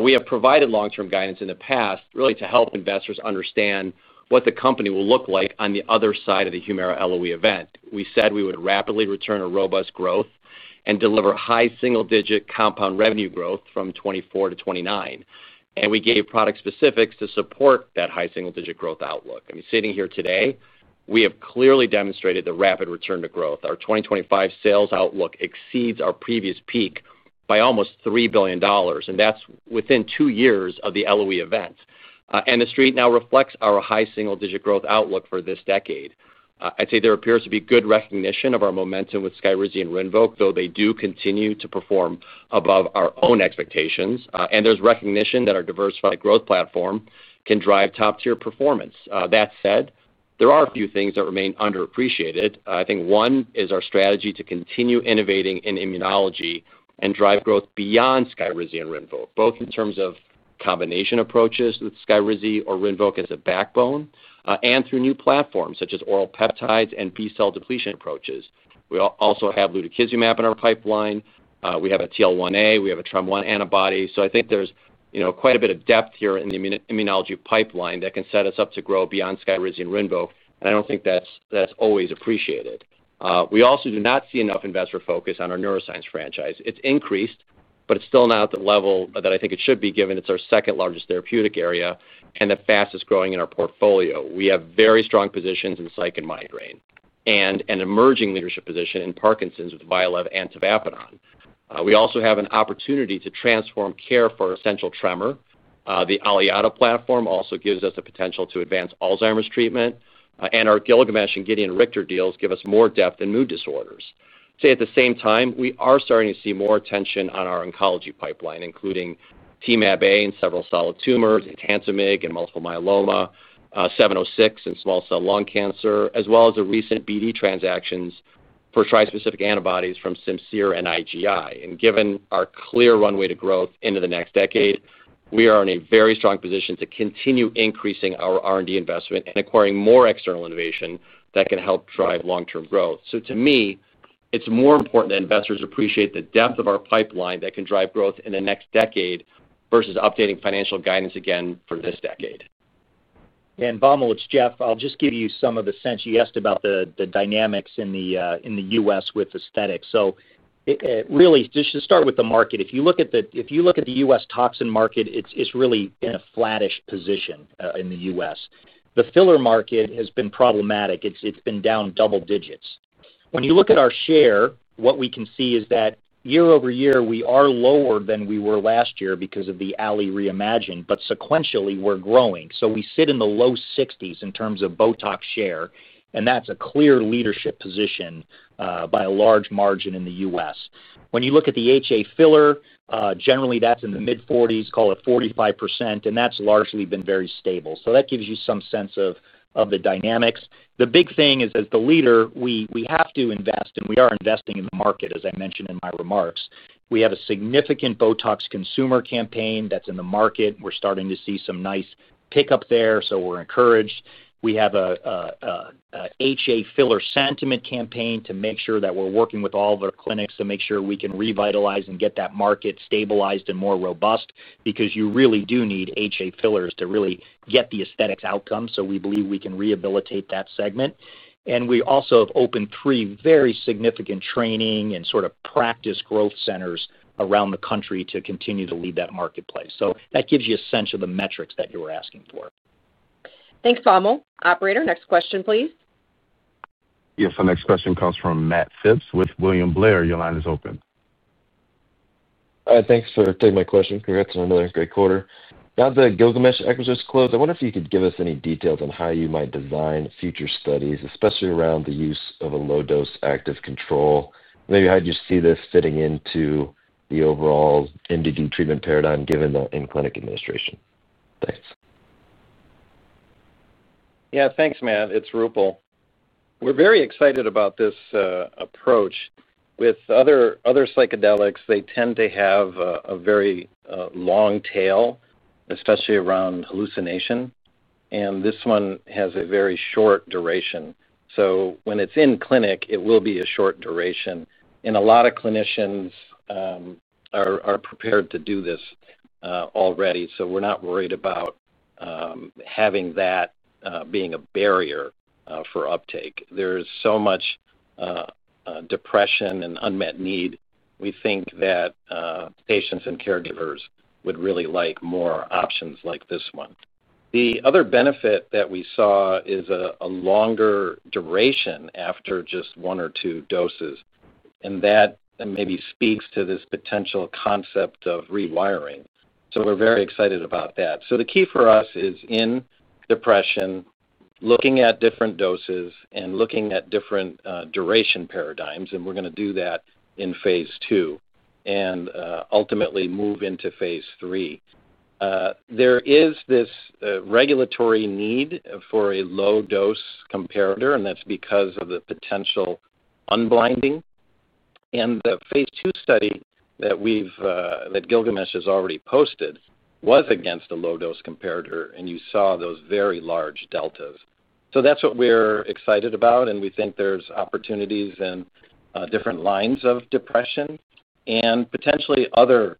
We have provided long-term guidance in the past to help investors understand what the company will look like on the other side of the HUMIRA LOE event. We said we would rapidly return to robust growth and deliver high single-digit compound annual revenue growth from 2024 to 2029. We gave product specifics to support that high single-digit growth outlook. Sitting here today, we have clearly demonstrated the rapid return to growth. Our 2025 sales outlook exceeds our previous peak by almost $3 billion, and that's within two years of the LOE event. The street now reflects our high single-digit growth outlook for this decade. I'd say there appears to be good recognition of our momentum with SKYRIZI and RINVOQ, though they do continue to perform above our own expectations. There is recognition that our diversified growth platform can drive top-tier performance. That said, there are a few things that remain underappreciated. One is our strategy to continue innovating in immunology and drive growth beyond SKYRIZI and RINVOQ, both in terms of combination approaches with SKYRIZI or RINVOQ as a backbone and through new platforms such as oral peptides and B-cell depletion approaches. We also have lutikizumab in our pipeline. We have a TL1A. We have a TREM-1 antibody. There is quite a bit of depth here in the immunology pipeline that can set us up to grow beyond SKYRIZI and RINVOQ. I don't think that's always appreciated. We also do not see enough investor focus on our neuroscience franchise. It's increased, but it's still not at the level that I think it should be given it's our second largest therapeutic area and the fastest growing in our portfolio. We have very strong positions in psych and migraine and an emerging leadership position in Parkinson’s with VYALEV and tavapadon. We also have an opportunity to transform care for essential tremor. The Aliada platform also gives us the potential to advance Alzheimer's treatment. Our Gilgamesh and Gedeon Richter deals give us more depth in mood disorders. At the same time, we are starting to see more attention on our oncology pipeline, including Temab-A in several solid tumors, etentamig in multiple myeloma, 706 in small cell lung cancer, as well as the recent BD transactions for trispecific antibodies from Simcere and IGI. Given our clear runway to growth into the next decade, we are in a very strong position to continue increasing our R&D investment and acquiring more external innovation that can help drive long-term growth. To me, it's more important that investors appreciate the depth of our pipeline that can drive growth in the next decade versus updating financial guidance again for this decade. Vamil, it's Jeff. I'll just give you some of the sense you asked about the dynamics in the U.S. with aesthetics. Really, just to start with the market, if you look at the U.S. toxin market, it's really in a flattish position in the U.S. The filler market has been problematic. It's been down double digits. When you look at our share, what we can see is that year-over-year, we are lower than we were last year because of the Ali reimagined, but sequentially, we're growing. We sit in the low 60s in terms of BOTOX share, and that's a clear leadership position by a large margin in the U.S. When you look at the HA filler, generally, that's in the mid-40%s, call it 45%, and that's largely been very stable. That gives you some sense of the dynamics. The big thing is, as the leader, we have to invest, and we are investing in the market, as I mentioned in my remarks. We have a significant BOTOX consumer campaign that's in the market. We're starting to see some nice pickup there, so we're encouraged. We have an HA filler sentiment campaign to make sure that we're working with all of our clinics to make sure we can revitalize and get that market stabilized and more robust because you really do need HA fillers to really get the aesthetics outcome. We believe we can rehabilitate that segment. We also have opened three very significant training and sort of practice growth centers around the country to continue to lead that marketplace. That gives you a sense of the metrics that you were asking for. Thanks, Vamil. Operator, next question, please. Yes. Our next question comes from Matt Phipps with William Blair. Your line is open. Thanks for taking my question. Congrats on another great quarter. Now that Gilgamesh just closed, I wonder if you could give us any details on how you might design future studies, especially around the use of a low-dose active control. Maybe how do you see this fitting into the overall major depressive disorder treatment paradigm given the in-clinic administration? Thanks. Yeah. Thanks, Matt. It's Roopal. We're very excited about this approach. With other psychedelics, they tend to have a very long tail, especially around hallucination, and this one has a very short duration. When it's in clinic, it will be a short duration, and a lot of clinicians are prepared to do this already. We're not worried about having that being a barrier for uptake. There's so much depression and unmet need. We think that patients and caregivers would really like more options like this one. The other benefit that we saw is a longer duration after just one or two doses, and that maybe speaks to this potential concept of rewiring. We're very excited about that. The key for us is in depression, looking at different doses and looking at different duration paradigms. We're going to do that in phase II and ultimately move into phase III. There is this regulatory need for a low-dose comparator, and that's because of the potential unblinding. The phase II study that Gilgamesh has already posted was against a low-dose comparator, and you saw those very large deltas. That's what we're excited about, and we think there's opportunities in different lines of depression and potentially other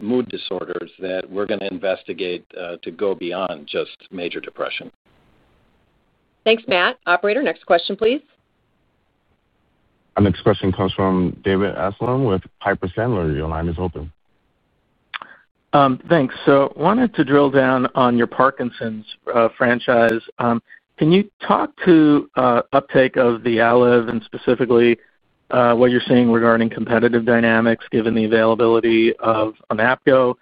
mood disorders that we're going to investigate to go beyond just major depression. Thanks, Matt. Operator, next question, please. Our next question comes from David Amsellem with Piper Sandler. Your line is open. Thanks. I wanted to drill down on your Parkinson’s franchise. Can you talk to uptake of the VYALEV and specifically what you’re seeing regarding competitive dynamics given the availability of ONAPGO?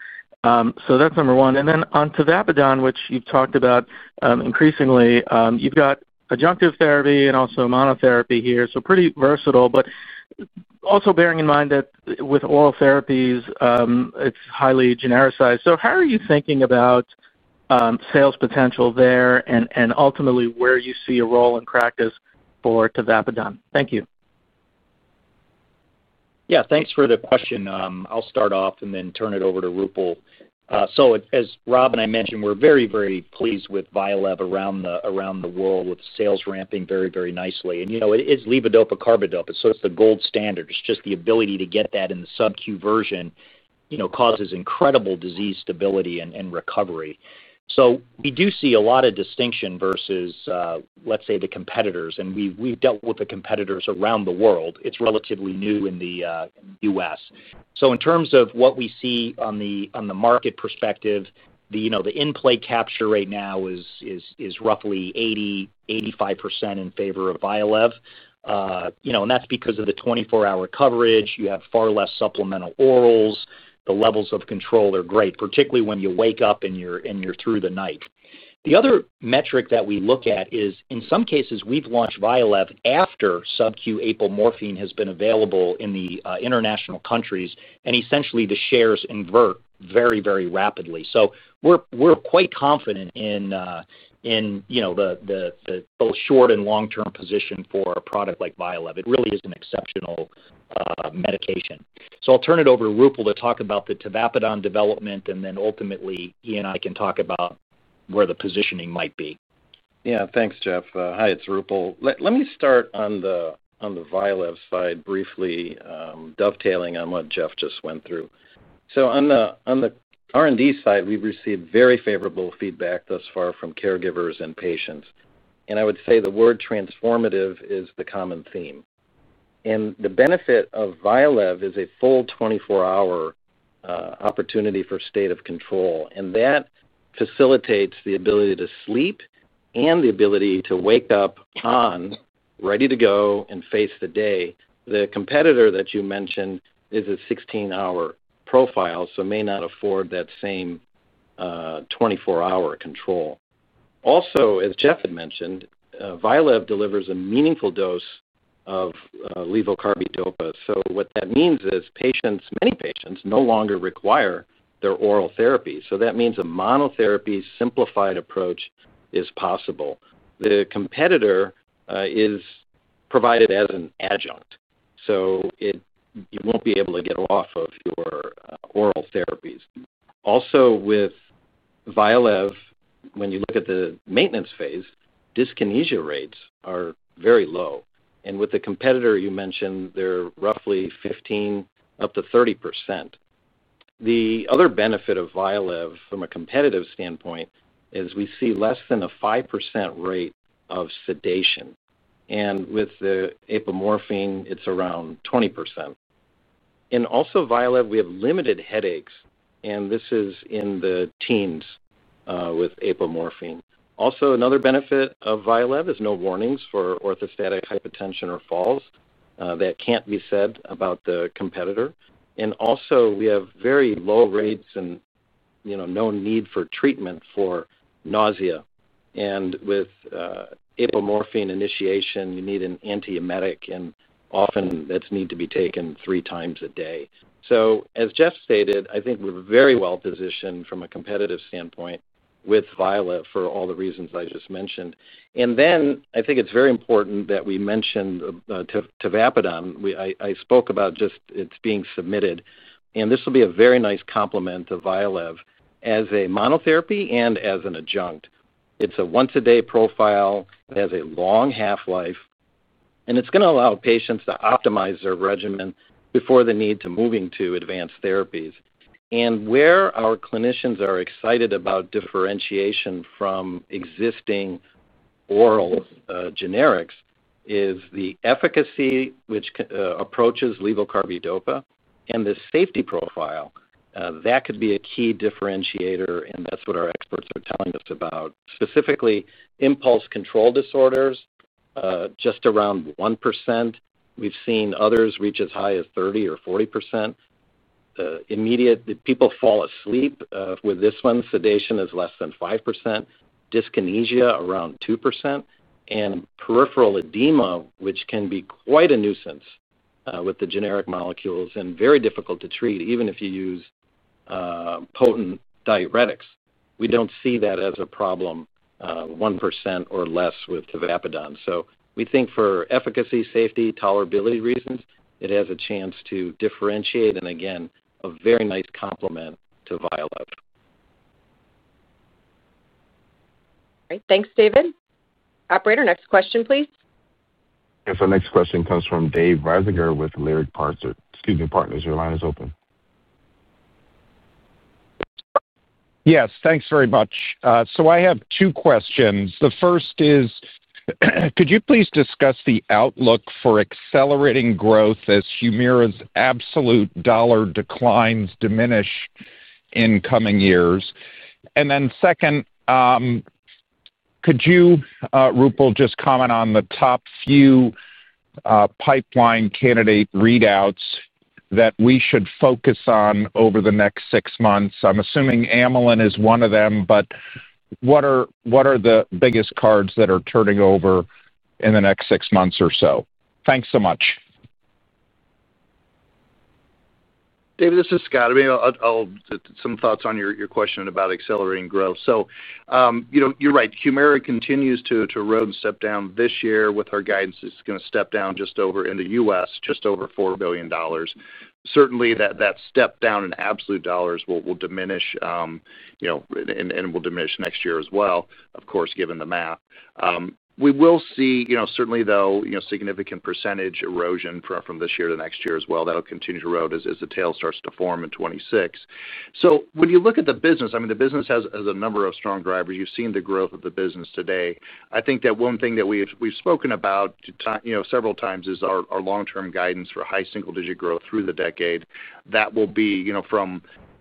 That’s number one. On tavapadon, which you’ve talked about increasingly, you’ve got adjunctive therapy and also monotherapy here. So pretty versatile, but also bearing in mind that with oral therapies, it’s highly genericized. How are you thinking about sales potential there and ultimately where you see a role in practice for tavapadon? Thank you. Yeah. Thanks for the question. I'll start off and then turn it over to Roopal. As Rob and I mentioned, we're very, very pleased with VYALEV around the world with sales ramping very, very nicely. It is levodopa carbidopa. It's sort of the gold standard. It's just the ability to get that in the sub-Q version. Causes incredible disease stability and recovery. We do see a lot of distinction versus, let's say, the competitors. We've dealt with the competitors around the world. It's relatively new in the U.S. In terms of what we see on the market perspective, the in-play capture right now is roughly 80%-85% in favor of VYALEV, and that's because of the 24-hour coverage. You have far less supplemental orals. The levels of control are great, particularly when you wake up and you're through the night. The other metric that we look at is, in some cases, we've launched VYALEV after sub-Q apomorphine has been available in the international countries, and essentially the shares invert very, very rapidly. We're quite confident in both short and long-term position for a product like VYALEV. It really is an exceptional medication. I'll turn it over to Roopal to talk about the tavapadon development, and then ultimately, he and I can talk about where the positioning might be. Yeah. Thanks, Jeff. Hi, it's Roopal. Let me start on the VYALEV side briefly, dovetailing on what Jeff just went through. On the R&D side, we've received very favorable feedback thus far from caregivers and patients. I would say the word transformative is the common theme. The benefit of VYALEV is a full 24-hour opportunity for state of control. That facilitates the ability to sleep and the ability to wake up on, ready to go, and face the day. The competitor that you mentioned is a 16-hour profile, so may not afford that same 24-hour control. Also, as Jeff had mentioned, VYALEV delivers a meaningful dose of levodopa/carbidopa. What that means is many patients no longer require their oral therapy. That means a monotherapy simplified approach is possible. The competitor is provided as an adjunct. You won't be able to get off of your oral therapies. Also, with VYALEV, when you look at the maintenance phase, dyskinesia rates are very low. With the competitor you mentioned, they're roughly 15% up to 30%. The other benefit of VYALEV from a competitive standpoint is we see less than a 5% rate of sedation. With the apomorphine, it's around 20%. Also, VYALEV, we have limited headaches, and this is in the teens with apomorphine. Another benefit of VYALEV is no warnings for orthostatic hypotension or falls. That can't be said about the competitor. We have very low rates and no need for treatment for nausea. With apomorphine initiation, you need an antiemetic, and often that's needed to be taken three times a day. As Jeff stated, I think we're very well positioned from a competitive standpoint with VYALEV for all the reasons I just mentioned. I think it's very important that we mention tavapadon. I spoke about just its being submitted. This will be a very nice complement to VYALEV as a monotherapy and as an adjunct. It's a once-a-day profile. It has a long half-life. It's going to allow patients to optimize their regimen before the need to move to advanced therapies. Where our clinicians are excited about differentiation from existing oral generics is the efficacy, which approaches levodopa/carbidopa, and the safety profile. That could be a key differentiator, and that's what our experts are telling us about. Specifically, impulse control disorders, just around 1%. We've seen others reach as high as 30% or 40%. Immediate, people fall asleep with this one. Sedation is less than 5%. Dyskinesia around 2%. Peripheral edema, which can be quite a nuisance with the generic molecules and very difficult to treat, even if you use potent diuretics. We don't see that as a problem. 1% or less with tavapadon. We think for efficacy, safety, tolerability reasons, it has a chance to differentiate and, again, a very nice complement to VYALEV. All right. Thanks, David. Operator, next question, please. Yes. Our next question comes from Dave Risinger with Leerink Partners. Your line is open. Yes. Thanks very much. I have two questions. The first is, could you please discuss the outlook for accelerating growth as HUMIRA's absolute dollar declines diminish in coming years? Second, could you, Roopal, just comment on the top few pipeline candidate readouts that we should focus on over the next six months? I'm assuming amylin is one of them, but what are the biggest cards that are turning over in the next six months or so? Thanks so much. Dave, this is Scott. Some thoughts on your question about accelerating growth. You're right. HUMIRA continues to erode and step down this year with our guidance. It's going to step down just over in the U.S., just over $4 billion. Certainly, that step down in absolute dollars will diminish and will diminish next year as well, of course, given the math. We will see, certainly, significant percentage erosion from this year to next year as well. That'll continue to erode as the tail starts to form in 2026. When you look at the business, the business has a number of strong drivers. You've seen the growth of the business today. I think that one thing that we've spoken about several times is our long-term guidance for high single-digit growth through the decade. That will be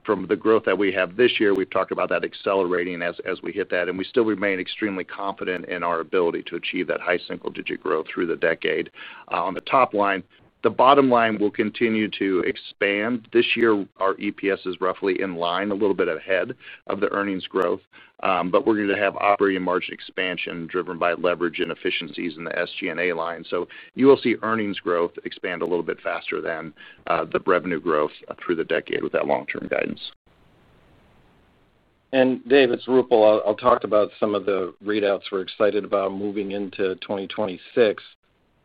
from the growth that we have this year. We've talked about that accelerating as we hit that, and we still remain extremely confident in our ability to achieve that high single-digit growth through the decade. On the top line, the bottom line will continue to expand. This year, our EPS is roughly in line, a little bit ahead of the earnings growth, but we're going to have operating margin expansion driven by leverage and efficiencies in the SG&A line. You will see earnings growth expand a little bit faster than the revenue growth through the decade with that long-term guidance. Dave, it's Roopal. I'll talk about some of the readouts we're excited about moving into 2026.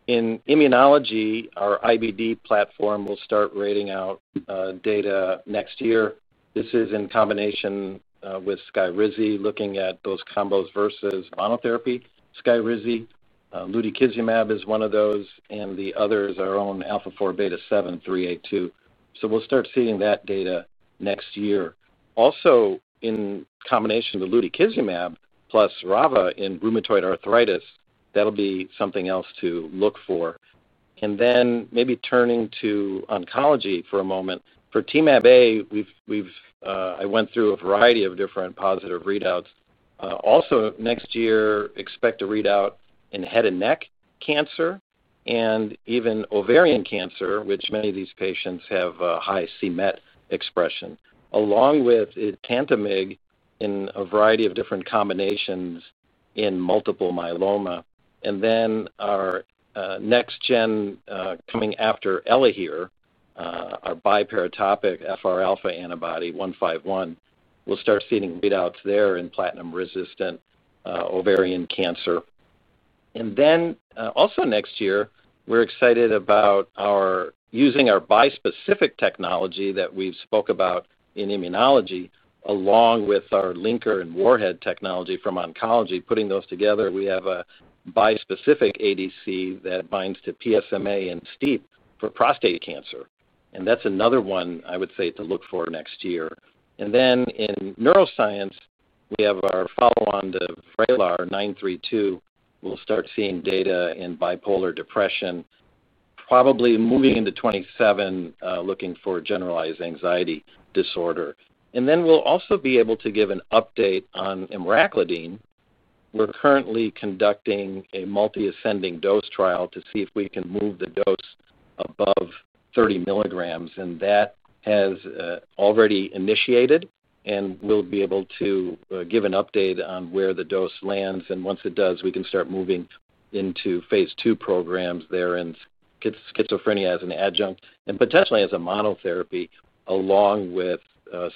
In immunology, our IBD platform will start reading out data next year. This is in combination with SKYRIZI, looking at those combos versus monotherapy. SKYRIZI, lutikizumab is one of those, and the other is our own alpha-4-beta-7, 382. We'll start seeing that data next year. Also, in combination, lutikizumab plus ravagalimab in rheumatoid arthritis, that'll be something else to look for. Maybe turning to oncology for a moment, for Temab-A, I went through a variety of different positive readouts. Next year, expect a readout in head and neck cancer and even ovarian cancer, which, in many of these patients, have high c-MET expression, along with etantamig in a variety of different combinations in multiple myeloma. Our next gen coming after ELAHERE, our biparatopic FR-alpha antibody 151, we'll start seeing readouts there in platinum-resistant ovarian cancer. Also, next year, we're excited about using our bispecific technology that we've spoken about in immunology, along with our linker and warhead technology from oncology, putting those together. We have a bispecific ADC that binds to PSMA and STEAP for prostate cancer, and that's another one to look for next year. In neuroscience, we have our follow-on to VRAYLAR 932. We'll start seeing data in bipolar depression, probably moving into 2027, looking for generalized anxiety disorder. We'll also be able to give an update on imuracladine. We're currently conducting a multi-ascending dose trial to see if we can move the dose above 30 mg. That has already initiated, and we'll be able to give an update on where the dose lands. Once it does, we can start moving into phase II programs there in schizophrenia as an adjunct and potentially as a monotherapy, along with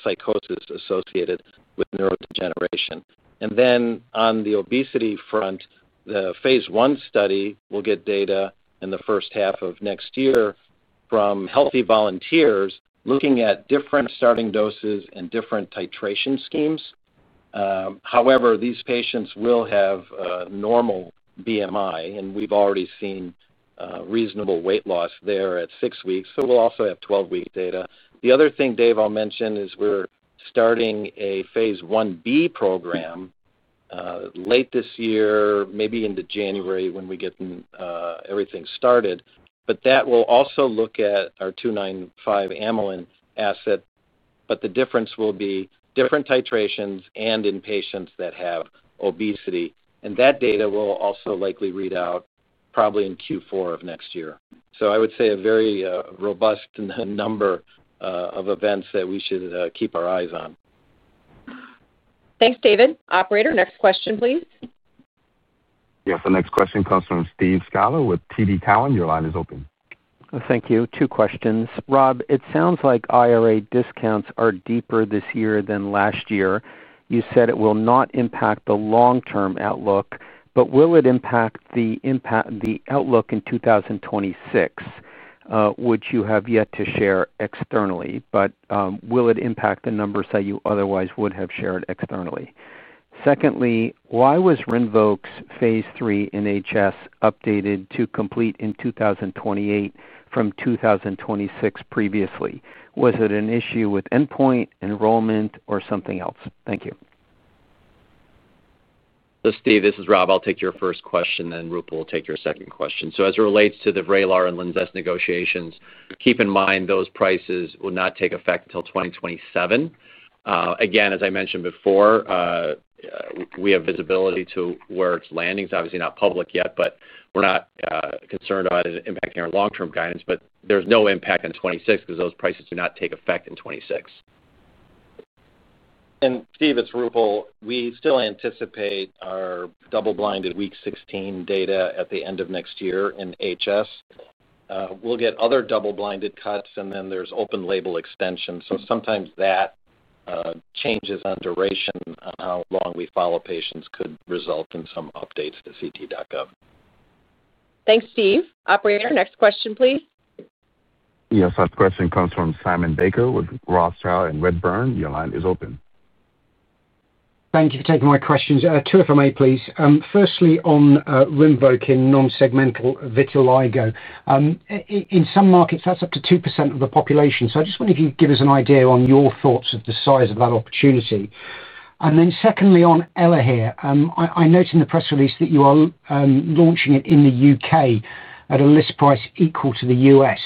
psychosis associated with neurodegeneration. On the obesity front, the phase I study will get data in the first half of next year from healthy volunteers looking at different starting doses and different titration schemes. These patients will have a normal BMI, and we've already seen reasonable weight loss there at six weeks. We'll also have 12-week data. The other thing, Dave, I'll mention is we're starting a phase IB program late this year, maybe into January when we get everything started. That will also look at our 295 amylin asset, but the difference will be different titrations and in patients that have obesity. That data will also likely read out in Q4 of next year. I would say a very robust number of events that we should keep our eyes on. Thanks, David. Operator, next question, please. Yes. The next question comes from Steve Scala with TD Cowen. Your line is open. Thank you. Two questions. Rob, it sounds like IRA discounts are deeper this year than last year. You said it will not impact the long-term outlook, but will it impact the outlook in 2026? Which you have yet to share externally, but will it impact the numbers that you otherwise would have shared externally? Secondly, why was RINVOQ phase III NHS updated to complete in 2028 from 2026 previously? Was it an issue with endpoint enrollment or something else? Thank you. Steve, this is Rob. I'll take your first question, then Roopal will take your second question. As it relates to the VRAYLAR and LINZESS negotiations, keep in mind those prices will not take effect until 2027. Again, as I mentioned before, we have visibility to where it's landing. It's obviously not public yet, but we're not concerned about it impacting our long-term guidance. There's no impact in 2026 because those prices do not take effect in 2026. Steve, it's Roopal. We still anticipate our double-blinded week 16 data at the end of next year in HS. We'll get other double-blinded cuts, and then there's open label extension. Sometimes that changes on duration, how long we follow patients could result in some updates to ct.gov. Thanks, Steve. Operator, next question, please. Yes. Last question comes from Simon Baker with Rothschild & Redburn. Your line is open. Thank you for taking my questions. Two if I may, please. Firstly, on RINVOQ in nonsegmental vitiligo. In some markets, that's up to 2% of the population. I just wonder if you could give us an idea on your thoughts of the size of that opportunity. Secondly, on ELAHERE, I noted in the press release that you are launching it in the U.K. at a list price equal to the U.S.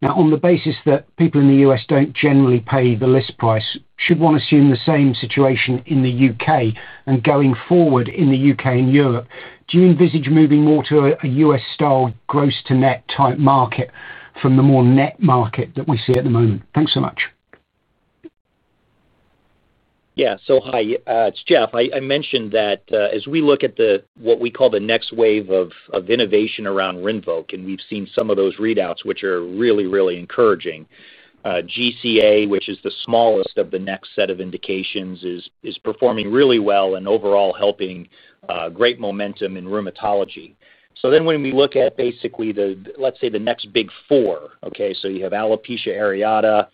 On the basis that people in the U.S. don't generally pay the list price, should one assume the same situation in the U.K. and going forward in the U.K. and Europe? Do you envisage moving more to a U.S.-style gross-to-net type market from the more net market that we see at the moment? Thanks so much. Yeah. Hi. It's Jeff. I mentioned that as we look at what we call the next wave of innovation around RINVOQ, and we've seen some of those readouts, which are really, really encouraging. GCA, which is the smallest of the next set of indications, is performing really well and overall helping great momentum in rheumatology. When we look at basically, let's say, the next big four, you have alopecia areata,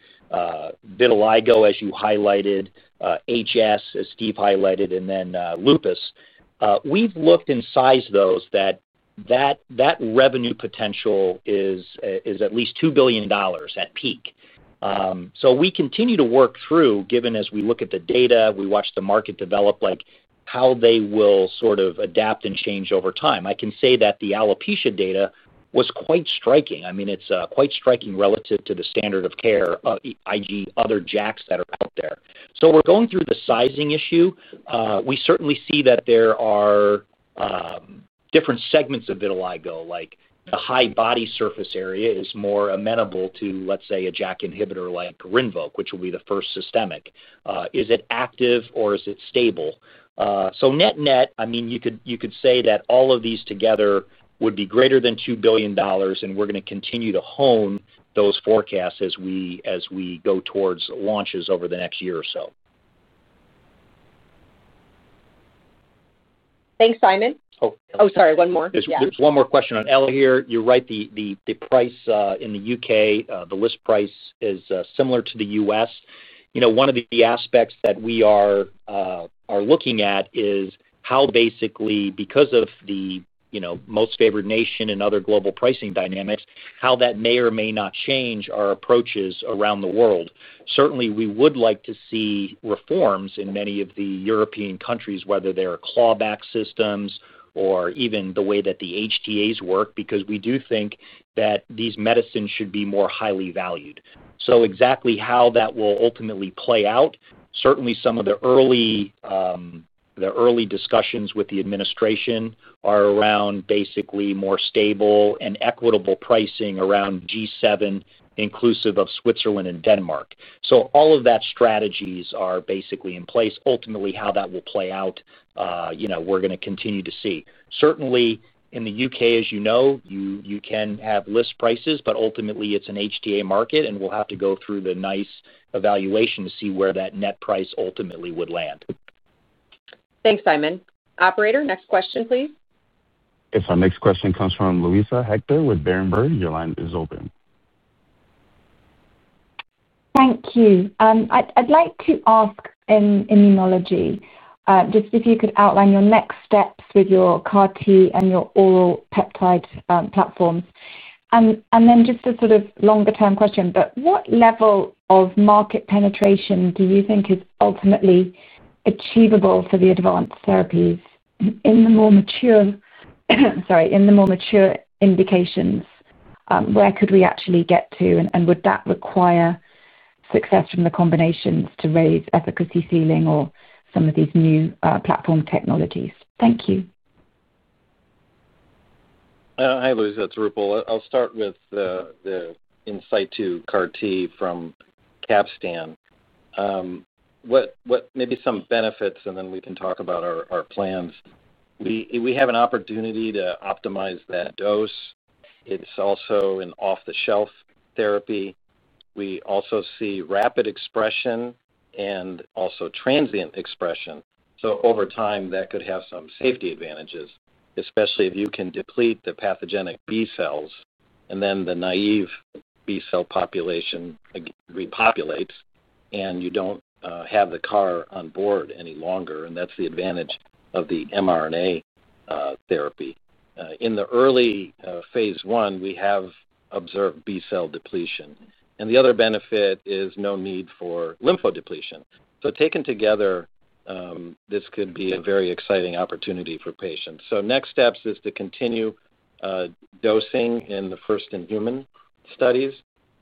vitiligo, as you highlighted, HS, as Steve highlighted, and then lupus. We've looked and sized those. That revenue potential is at least $2 billion at peak. We continue to work through, given as we look at the data, we watch the market develop, how they will sort of adapt and change over time. I can say that the alopecia data was quite striking. I mean, it's quite striking relative to the standard of care, i.e., other JAKs that are out there. We're going through the sizing issue. We certainly see that there are different segments of vitiligo, like the high body surface area is more amenable to, let's say, a JAK inhibitor like RINVOQ, which will be the first systemic. Is it active or is it stable? Net-net, I mean, you could say that all of these together would be greater than $2 billion, and we're going to continue to hone those forecasts as we go towards launches over the next year or so. Thanks, Simon. Sorry, one more. There's one more question on ELA here. You're right. The price in the U.K., the list price is similar to the U.S. One of the aspects that we are looking at is how basically, because of the most favored nation and other global pricing dynamics, how that may or may not change our approaches around the world. Certainly, we would like to see reforms in many of the European countries, whether they're clawback systems or even the way that the HTAs work, because we do think that these medicines should be more highly valued. Exactly how that will ultimately play out, certainly some of the early discussions with the administration are around basically more stable and equitable pricing around G7, inclusive of Switzerland and Denmark. All of those strategies are basically in place. Ultimately, how that will play out, we're going to continue to see. Certainly, in the U.K., as you know, you can have list prices, but ultimately, it's an HTA market, and we'll have to go through the NICE evaluation to see where that net price ultimately would land. Thanks, Simon. Operator, next question, please. Yes. Our next question comes from Luisa Hector with Berenberg. Your line is open. Thank you. I'd like to ask in immunology, just if you could outline your next steps with your CAR-T and your oral peptide platforms. Then just a sort of longer-term question, what level of market penetration do you think is ultimately achievable for the advanced therapies in the more mature indications? Where could we actually get to, and would that require success from the combinations to raise efficacy ceiling or some of these new platform technologies? Thank you. Hi, Luisa. It's Roopal. I'll start with the in-situ CAR-T from Capstan. Maybe some benefits, and then we can talk about our plans. We have an opportunity to optimize that dose. It's also an off-the-shelf therapy. We also see rapid expression and also transient expression. Over time, that could have some safety advantages, especially if you can deplete the pathogenic B cells, and then the naive B cell population repopulates, and you don't have the CAR on board any longer. That's the advantage of the mRNA therapy. In the early phase I, we have observed B cell depletion. The other benefit is no need for lymphodepletion. Taken together, this could be a very exciting opportunity for patients. Next steps are to continue dosing in the first-in-human studies.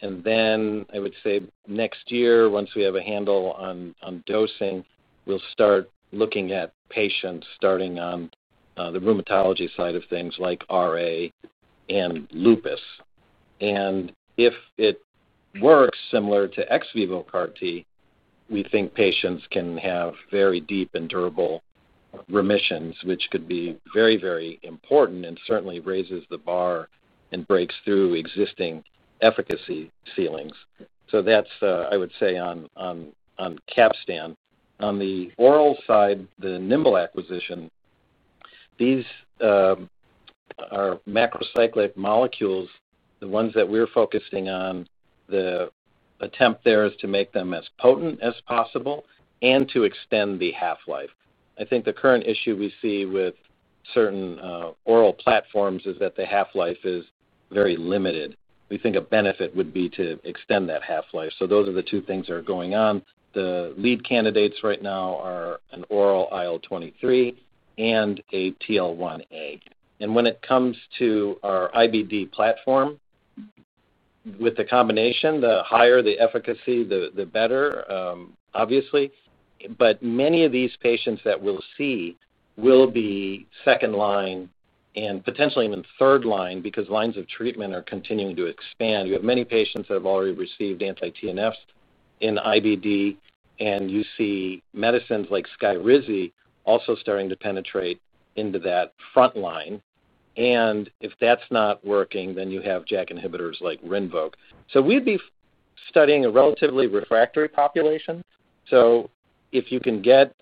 I would say next year, once we have a handle on Dosing, we'll start looking at patients starting on the rheumatology side of things like RA and lupus. If it works similar to ex vivo CAR-T, we think patients can have very deep and durable remissions, which could be very, very important and certainly raises the bar and breaks through existing efficacy ceilings. That is, I would say, on Capstan. On the oral side, the Nimble acquisition, these are macrocyclic molecules, the ones that we're focusing on. The attempt there is to make them as potent as possible and to extend the half-life. I think the current issue we see with certain oral platforms is that the half-life is very limited. We think a benefit would be to extend that half-life. Those are the two things that are going on. The lead candidates right now are an oral IL-23 and a TL1A. When it comes to our IBD platform, with the combination, the higher the efficacy, the better, obviously. Many of these patients that we'll see will be second line and potentially even third line because lines of treatment are continuing to expand. You have many patients that have already received anti-TNFs in IBD, and you see medicines like SKYRIZI also starting to penetrate into that front line. If that's not working, then you have JAK inhibitors like RINVOQ. We'd be studying a relatively refractory population. If you can get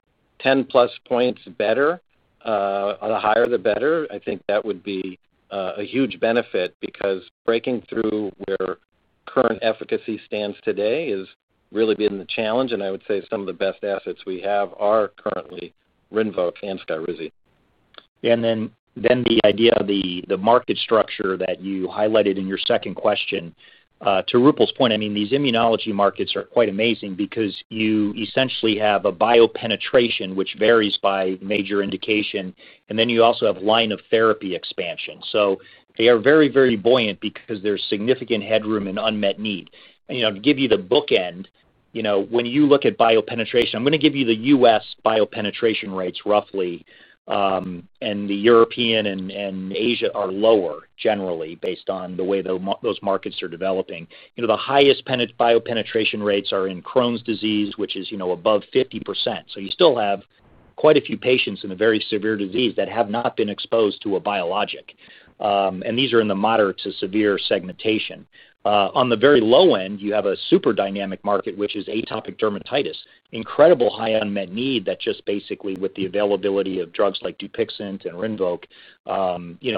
10+ points better, the higher the better, I think that would be a huge benefit because breaking through where current efficacy stands today has really been the challenge. I would say some of the best assets we have are currently RINVOQ and SKYRIZI. The idea of the market structure that you highlighted in your second question. To Roopal's point, I mean, these immunology markets are quite amazing because you essentially have a biopenetration, which varies by major indication. You also have line of therapy expansion. They are very, very buoyant because there's significant headroom and unmet need. To give you the bookend, when you look at biopenetration, I'm going to give you the U.S. biopenetration rates roughly. The European and Asia are lower generally based on the way those markets are developing. The highest biopenetration rates are in Crohn's disease, which is above 50%. You still have quite a few patients in a very severe disease that have not been exposed to a biologic. These are in the moderate to severe segmentation. On the very low end, you have a super dynamic market, which is atopic dermatitis, incredible high unmet need that just basically with the availability of drugs like DUPIXENT and RINVOQ.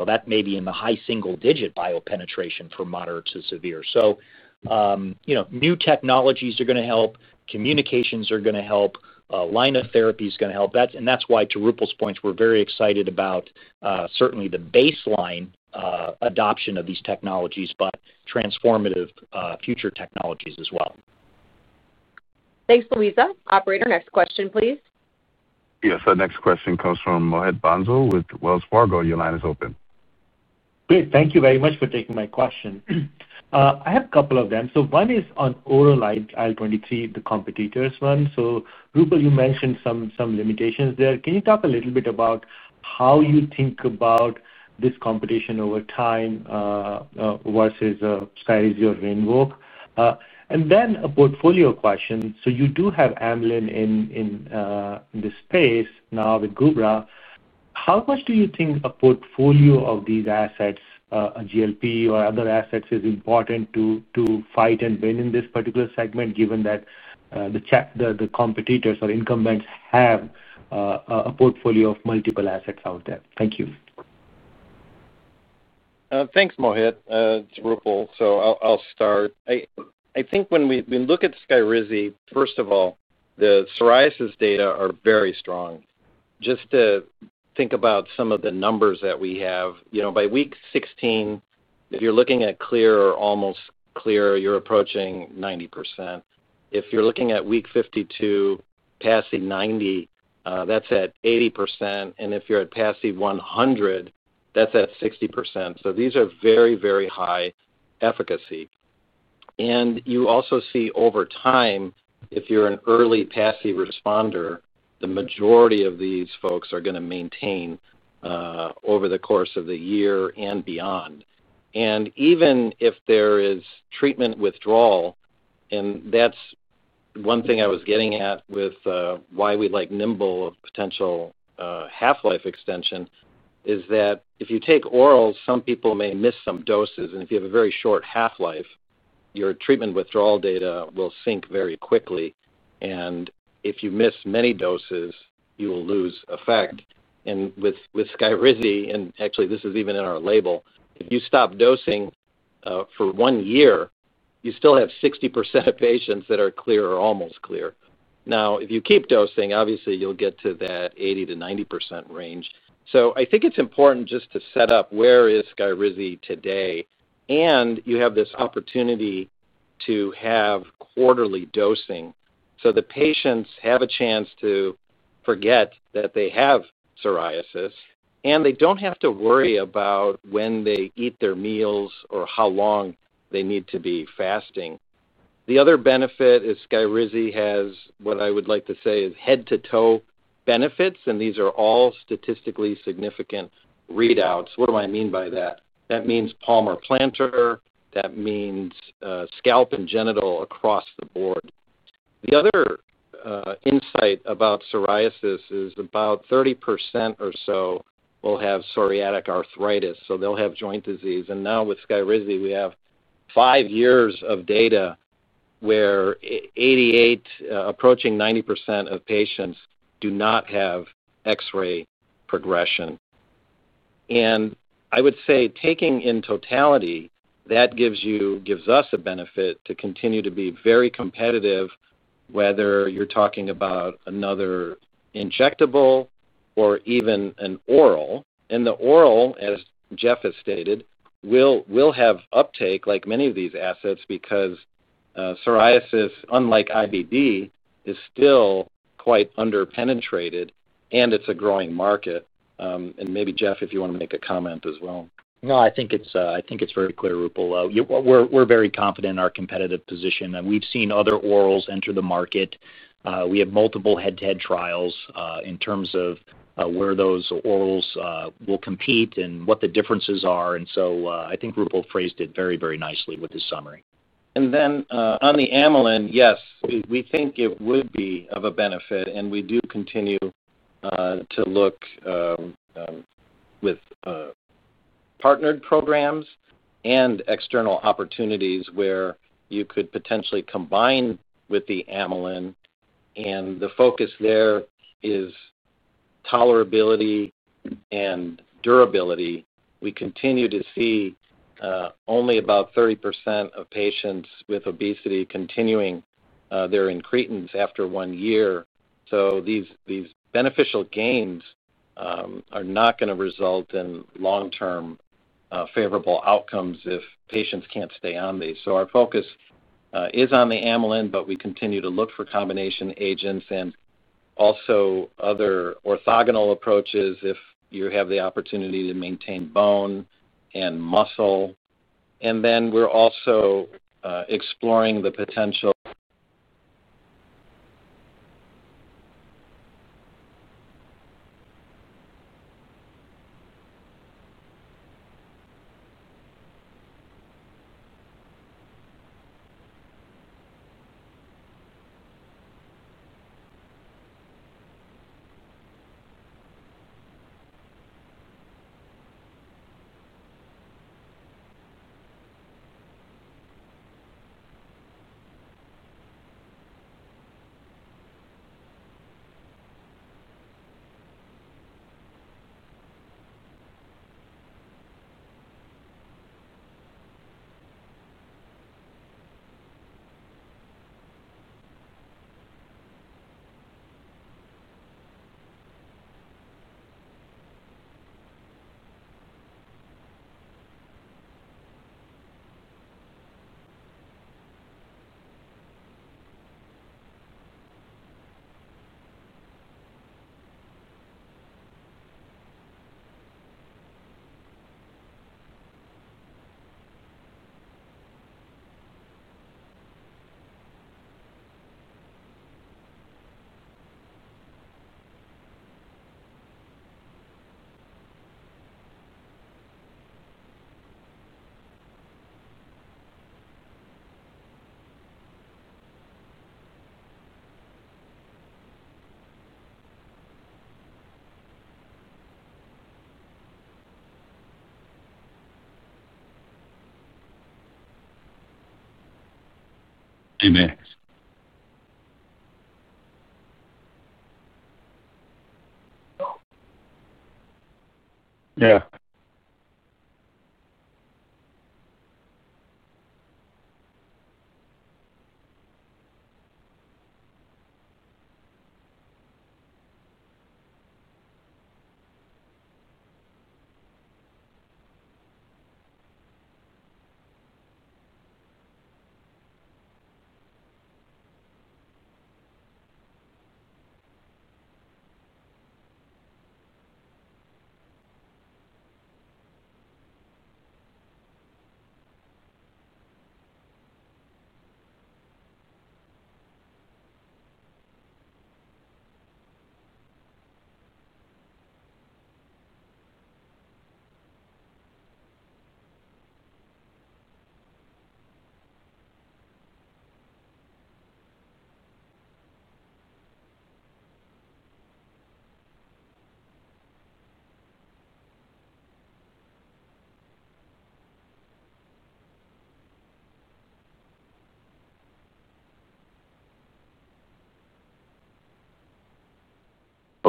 That may be in the high single-digit biopenetration for moderate to severe. New technologies are going to help, communications are going to help, line of therapy is going to help. That's why, to Roopal's point, we're very excited about certainly the baseline adoption of these technologies, but transformative future technologies as well. Thanks, Luisa. Operator, next question, please. Yes. Our next question comes from Mohit Bansal with Wells Fargo. Your line is open. Great. Thank you very much for taking my question. I have a couple of them. One is on oral IL-23, the competitor's one. Roopal, you mentioned some limitations there. Can you talk a little bit about how you think about this competition over time versus SKYRIZI or RINVOQ? I have a portfolio question. You do have amylin in the space now with Gubra. How much do you think a portfolio of these assets, a GLP or other assets, is important to fight and win in this particular segment, given that the competitors or incumbents have a portfolio of multiple assets out there? Thank you. Thanks, Mohit. It's Roopal. I'll start. I think when we look at SKYRIZI, first of all, the psoriasis data are very strong. Just to think about some of the numbers that we have, by week 16, if you're looking at clear or almost clear, you're approaching 90%. If you're looking at week 52, PASI 90, that's at 80%. If you're at PASI 100, that's at 60%. These are very, very high efficacy. You also see over time, if you're an early PASI responder, the majority of these folks are going to maintain over the course of the year and beyond. Even if there is treatment withdrawal, and that's one thing I was getting at with why we like nimble of potential. Half-life extension is that if you take orals, some people may miss some doses. If you have a very short half-life, your treatment withdrawal data will sink very quickly. If you miss many doses, you will lose effect. With SKYRIZI, and actually, this is even in our label, if you stop dosing for one year, you still have 60% of patients that are clear or almost clear. If you keep dosing, obviously, you'll get to that 80%-90% range. I think it's important just to set up where is SKYRIZI today. You have this opportunity to have quarterly dosing, so the patients have a chance to forget that they have psoriasis, and they don't have to worry about when they eat their meals or how long they need to be fasting. The other benefit is SKYRIZI has what I would like to say is head-to-toe benefits, and these are all statistically significant readouts. What do I mean by that? That means palmar plantar. That means scalp and genital across the board. The other insight about psoriasis is about 30% or so will have psoriatic arthritis, so they'll have joint disease. Now with SKYRIZI, we have five years of data where 88%, approaching 90% of patients, do not have X-ray progression. I would say, taking in totality, that gives us a benefit to continue to be very competitive, whether you're talking about another injectable or even an oral. The oral, as Jeff has stated, will have uptake like many of these assets because psoriasis, unlike IBD, is still quite underpenetrated, and it's a growing market. Maybe, Jeff, if you want to make a comment as well. No, I think it's very clear, Roopal. We're very confident in our competitive position. We've seen other orals enter the market. We have multiple head-to-head trials in terms of where those orals will compete and what the differences are. I think Roopal phrased it very, very nicely with his summary. On the amylin, yes, we think it would be of a benefit. We do continue to look with partnered programs and external opportunities where you could potentially combine with the amylin. The focus there is tolerability and durability. We continue to see only about 30% of patients with obesity continuing their incretins after one year. These beneficial gains are not going to result in long-term favorable outcomes if patients can't stay on these. Our focus is on the amylin, but we continue to look for combination agents and also other orthogonal approaches if you have the opportunity to maintain bone and muscle. We're also exploring the potential.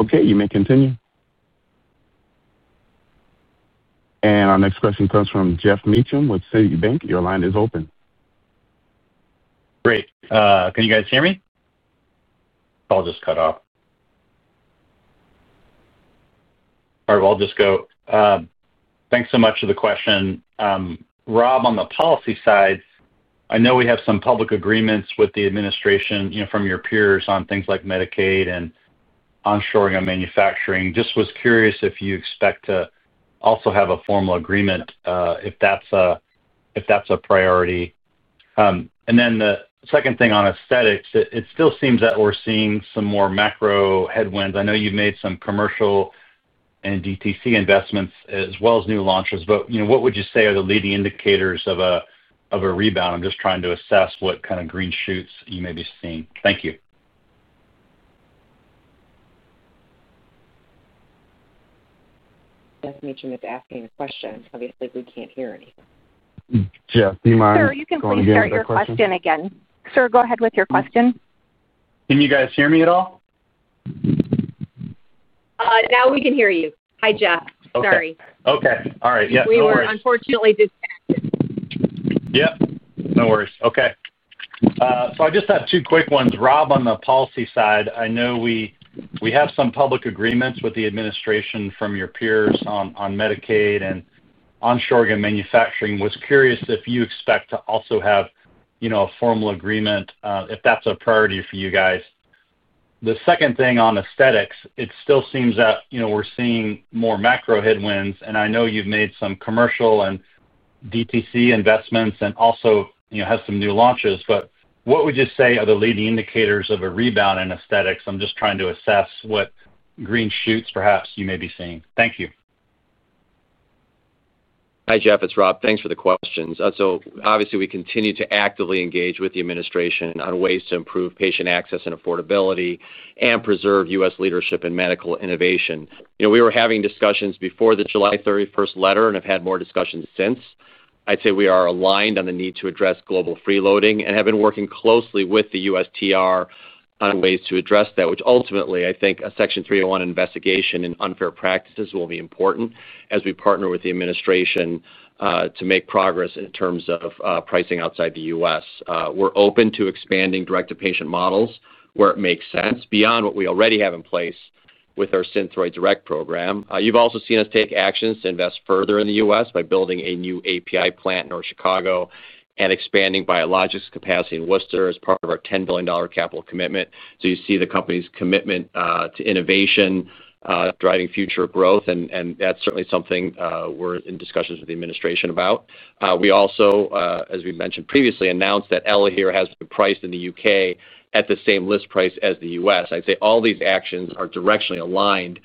Okay. You may continue. Our next question comes from Geoff Meacham with Citibank. Your line is open. Great. Can you guys hear me? All right. I'll just go. Thanks so much for the question. Rob, on the policy side, I know we have some public agreements with the administration from your peers on things like Medicaid and onshoring and manufacturing. Just was curious if you expect to also have a formal agreement if that's a priority. The second thing on aesthetics, it still seems that we're seeing some more macro headwinds. I know you've made some commercial and DTC investments as well as new launches. What would you say are the leading indicators of a rebound? I'm just trying to assess what kind of green shoots you may be seeing. Thank you. Geoff is asking a question. Obviously, we can't hear anything. Geoff, do you mind? Sir, please start your question again. Go ahead with your question. Can you guys hear me at all? Now we can hear you. Hi, Geoff. Sorry. All right. Yes. No worries. We were unfortunately disconnected. Okay. I just have two quick ones. Rob, on the policy side, I know we have some public agreements with the administration from your peers on Medicaid and onshoring and manufacturing. I was curious if you expect to also have a formal agreement, if that's a priority for you guys. The second thing on aesthetics, it still seems that we're seeing more macro headwinds. I know you've made some commercial and DTC investments and also have some new launches. What would you say are the leading indicators of a rebound in aesthetics? I'm just trying to assess what green shoots perhaps you may be seeing. Thank you. Hi, Geoff. It's Rob. Thanks for the questions. Obviously, we continue to actively engage with the administration on ways to improve patient access and affordability and preserve U.S. leadership in medical innovation. We were having discussions before the July 31st letter and have had more discussions since. I'd say we are aligned on the need to address global freeloading and have been working closely with the USTR on ways to address that, which ultimately, I think a Section 301 investigation in unfair practices will be important as we partner with the administration to make progress in terms of pricing outside the U.S. We're open to expanding direct-to-patient models where it makes sense beyond what we already have in place with our Synthroid Direct program. You've also seen us take actions to invest further in the U.S. by building a new API plant in North Chicago and expanding biologics capacity in Worcester as part of our $10 billion capital commitment. You see the company's commitment to innovation, driving future growth. That's certainly something we're in discussions with the administration about. We also, as we mentioned previously, announced that ELAHERE has been priced in the U.K. at the same list price as the U.S. I'd say all these actions are directionally aligned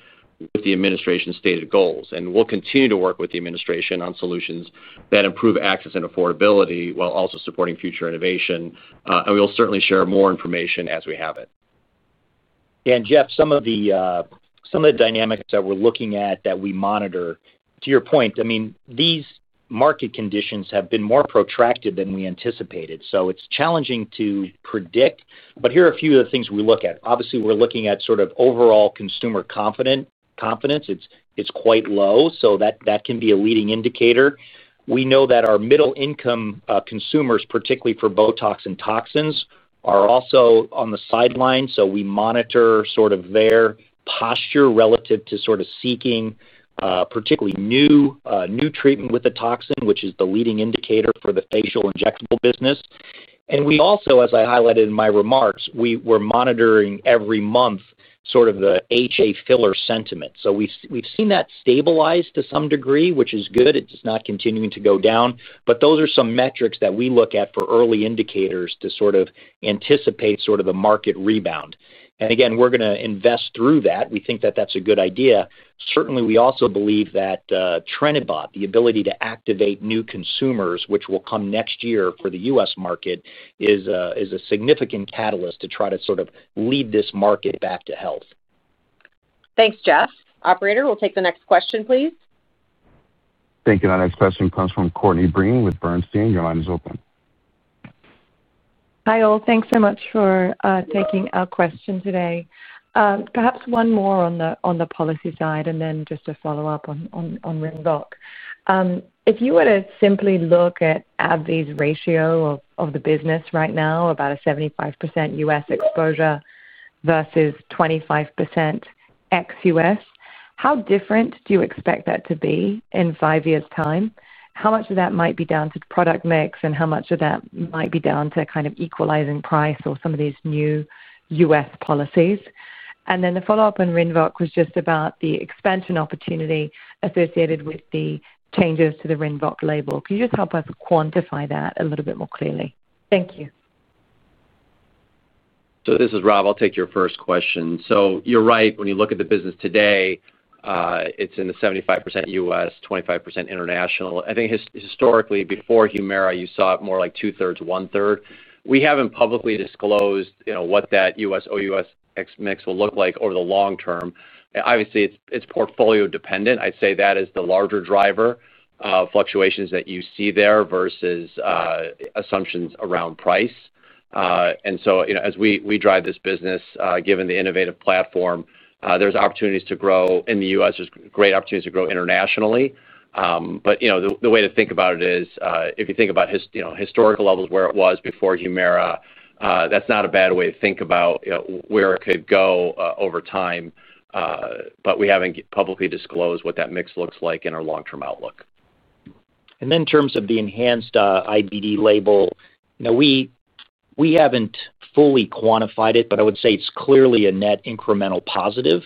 with the administration's stated goals. We'll continue to work with the administration on solutions that improve access and affordability while also supporting future innovation. We'll certainly share more information as we have it. Geoff, some of the dynamics that we're looking at that we monitor, to your point, these market conditions have been more protracted than we anticipated. It's challenging to predict. Here are a few of the things we look at. Obviously, we're looking at overall consumer confidence. It's quite low. That can be a leading indicator. We know that our middle-income consumers, particularly for BOTOX and toxins, are also on the sideline. We monitor their posture relative to seeking particularly new treatment with a toxin, which is the leading indicator for the facial injectable business. As I highlighted in my remarks, we're monitoring every month the HA filler sentiment. We've seen that stabilize to some degree, which is good. It's not continuing to go down. Those are some metrics that we look at for early indicators to anticipate the market rebound. We're going to invest through that. We think that that's a good idea. Certainly, we also believe that TrenibotE, the ability to activate new consumers, which will come next year for the U.S. market, is a significant catalyst to try to lead this market back to health. Thanks, Geoff. Operator, we'll take the next question, please. Thank you. Our next question comes from Courtney Breen with Bernstein. Your line is open. Hi, all. Thanks so much for taking our question today. Perhaps one more on the policy side and then just a follow-up on RINVOQ. If you were to simply look at AbbVie's ratio of the business right now, about a 75% U.S. exposure versus 25% ex-U.S., how different do you expect that to be in five years' time? How much of that might be down to product mix and how much of that might be down to kind of equalizing price or some of these new U.S. policies? The follow-up on RINVOQ was just about the expansion opportunity associated with the changes to the RINVOQ label. Could you just help us quantify that a little bit more clearly? Thank you. This is Rob. I'll take your first question. You're right. When you look at the business today, it's in the 75% U.S., 25% international. I think historically, before HUMIRA, you saw it more like 2/3, 1/3. We haven't publicly disclosed what that U.S.-OUS mix will look like over the long term. Obviously, it's portfolio-dependent. I'd say that is the larger driver, fluctuations that you see there versus assumptions around price. As we drive this business, given the innovative platform, there's opportunities to grow in the U.S. There's great opportunities to grow internationally. The way to think about it is, if you think about historical levels where it was before HUMIRA, that's not a bad way to think about where it could go over time. We haven't publicly disclosed what that mix looks like in our long-term outlook. In terms of the enhanced IBD label, we haven't fully quantified it, but I would say it's clearly a net incremental positive.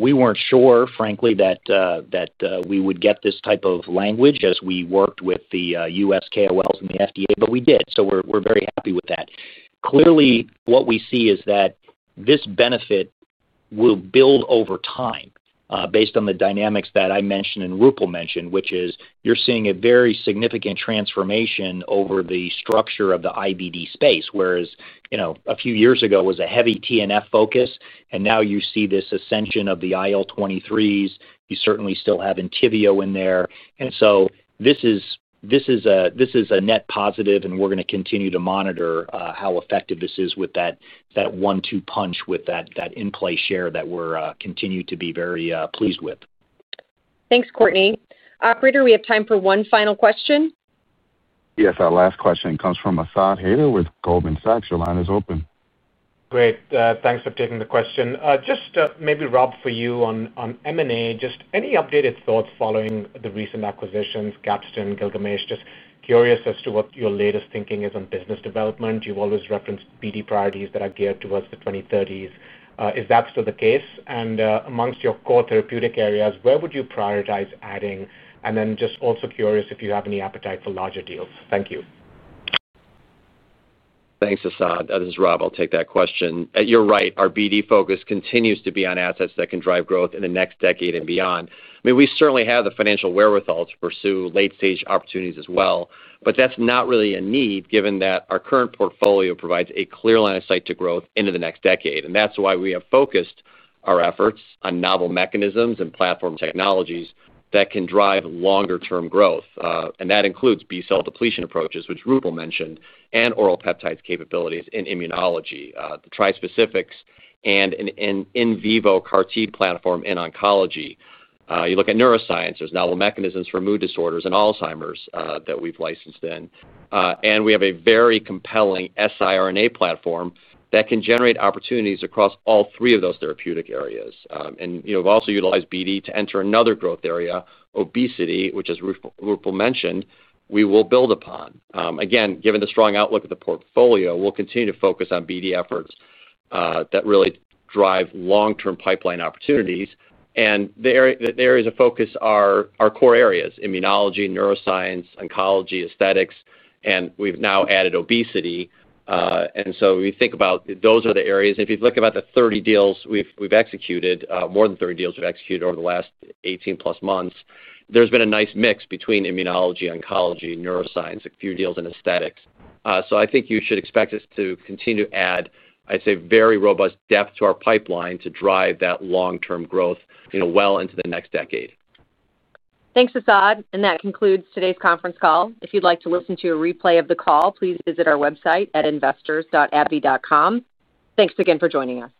We weren't sure, frankly, that we would get this type of language as we worked with the U.S. KOLs and the FDA, but we did. We're very happy with that. Clearly, what we see is that this benefit will build over time based on the dynamics that I mentioned and Roopal mentioned, which is you're seeing a very significant transformation over the structure of the IBD space, whereas a few years ago it was a heavy TNF focus. Now you see this ascension of the IL-23s. You certainly still have ENTYVIO in there. This is a net positive, and we're going to continue to monitor how effective this is with that one-two punch with that in-place share that we continue to be very pleased with. Thanks, Courtney. Operator, we have time for one final question. Yes. Our last question comes from Asad Haider with Goldman Sachs. Your line is open. Great. Thanks for taking the question. Just maybe, Rob, for you on M&A, just any updated thoughts following the recent acquisitions, Capstan, Gilgamesh? Just curious as to what your latest thinking is on business development. You've always referenced BD priorities that are geared towards the 2030s. Is that still the case? Amongst your core therapeutic areas, where would you prioritize adding? Also curious if you have any appetite for larger deals. Thank you. Thanks, Asad. This is Rob. I'll take that question. You're right. Our BD focus continues to be on assets that can drive growth in the next decade and beyond. We certainly have the financial wherewithal to pursue late-stage opportunities as well. That's not really a need given that our current portfolio provides a clear line of sight to growth into the next decade. That's why we have focused our efforts on novel mechanisms and platform technologies that can drive longer-term growth. That includes B-cell depletion approaches, which Roopal mentioned, and oral peptides capabilities in immunology, the trispecifics, and an in vivo CAR-T platform in oncology. You look at neuroscience. There are novel mechanisms for mood disorders and Alzheimer's that we've licensed in. We have a very compelling siRNA platform that can generate opportunities across all three of those therapeutic areas. We've also utilized BD to enter another growth area, obesity, which, as Roopal mentioned, we will build upon. Given the strong outlook of the portfolio, we'll continue to focus on BD efforts that really drive long-term pipeline opportunities. The areas of focus are our core areas: immunology, neuroscience, oncology, aesthetics. We've now added obesity. When you think about those are the areas. If you look at about the 30 deals we've executed, more than 30 deals we've executed over the last 18+ months, there's been a nice mix between immunology, oncology, neuroscience, a few deals in aesthetics. I think you should expect us to continue to add, I'd say, very robust depth to our pipeline to drive that long-term growth well into the next decade. Thanks, Asad. That concludes today's conference call. If you'd like to listen to a replay of the call, please visit our website at investors.abbvie.com. Thanks again for joining us.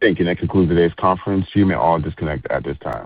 Thank you. That concludes today's conference. You may all disconnect at this time.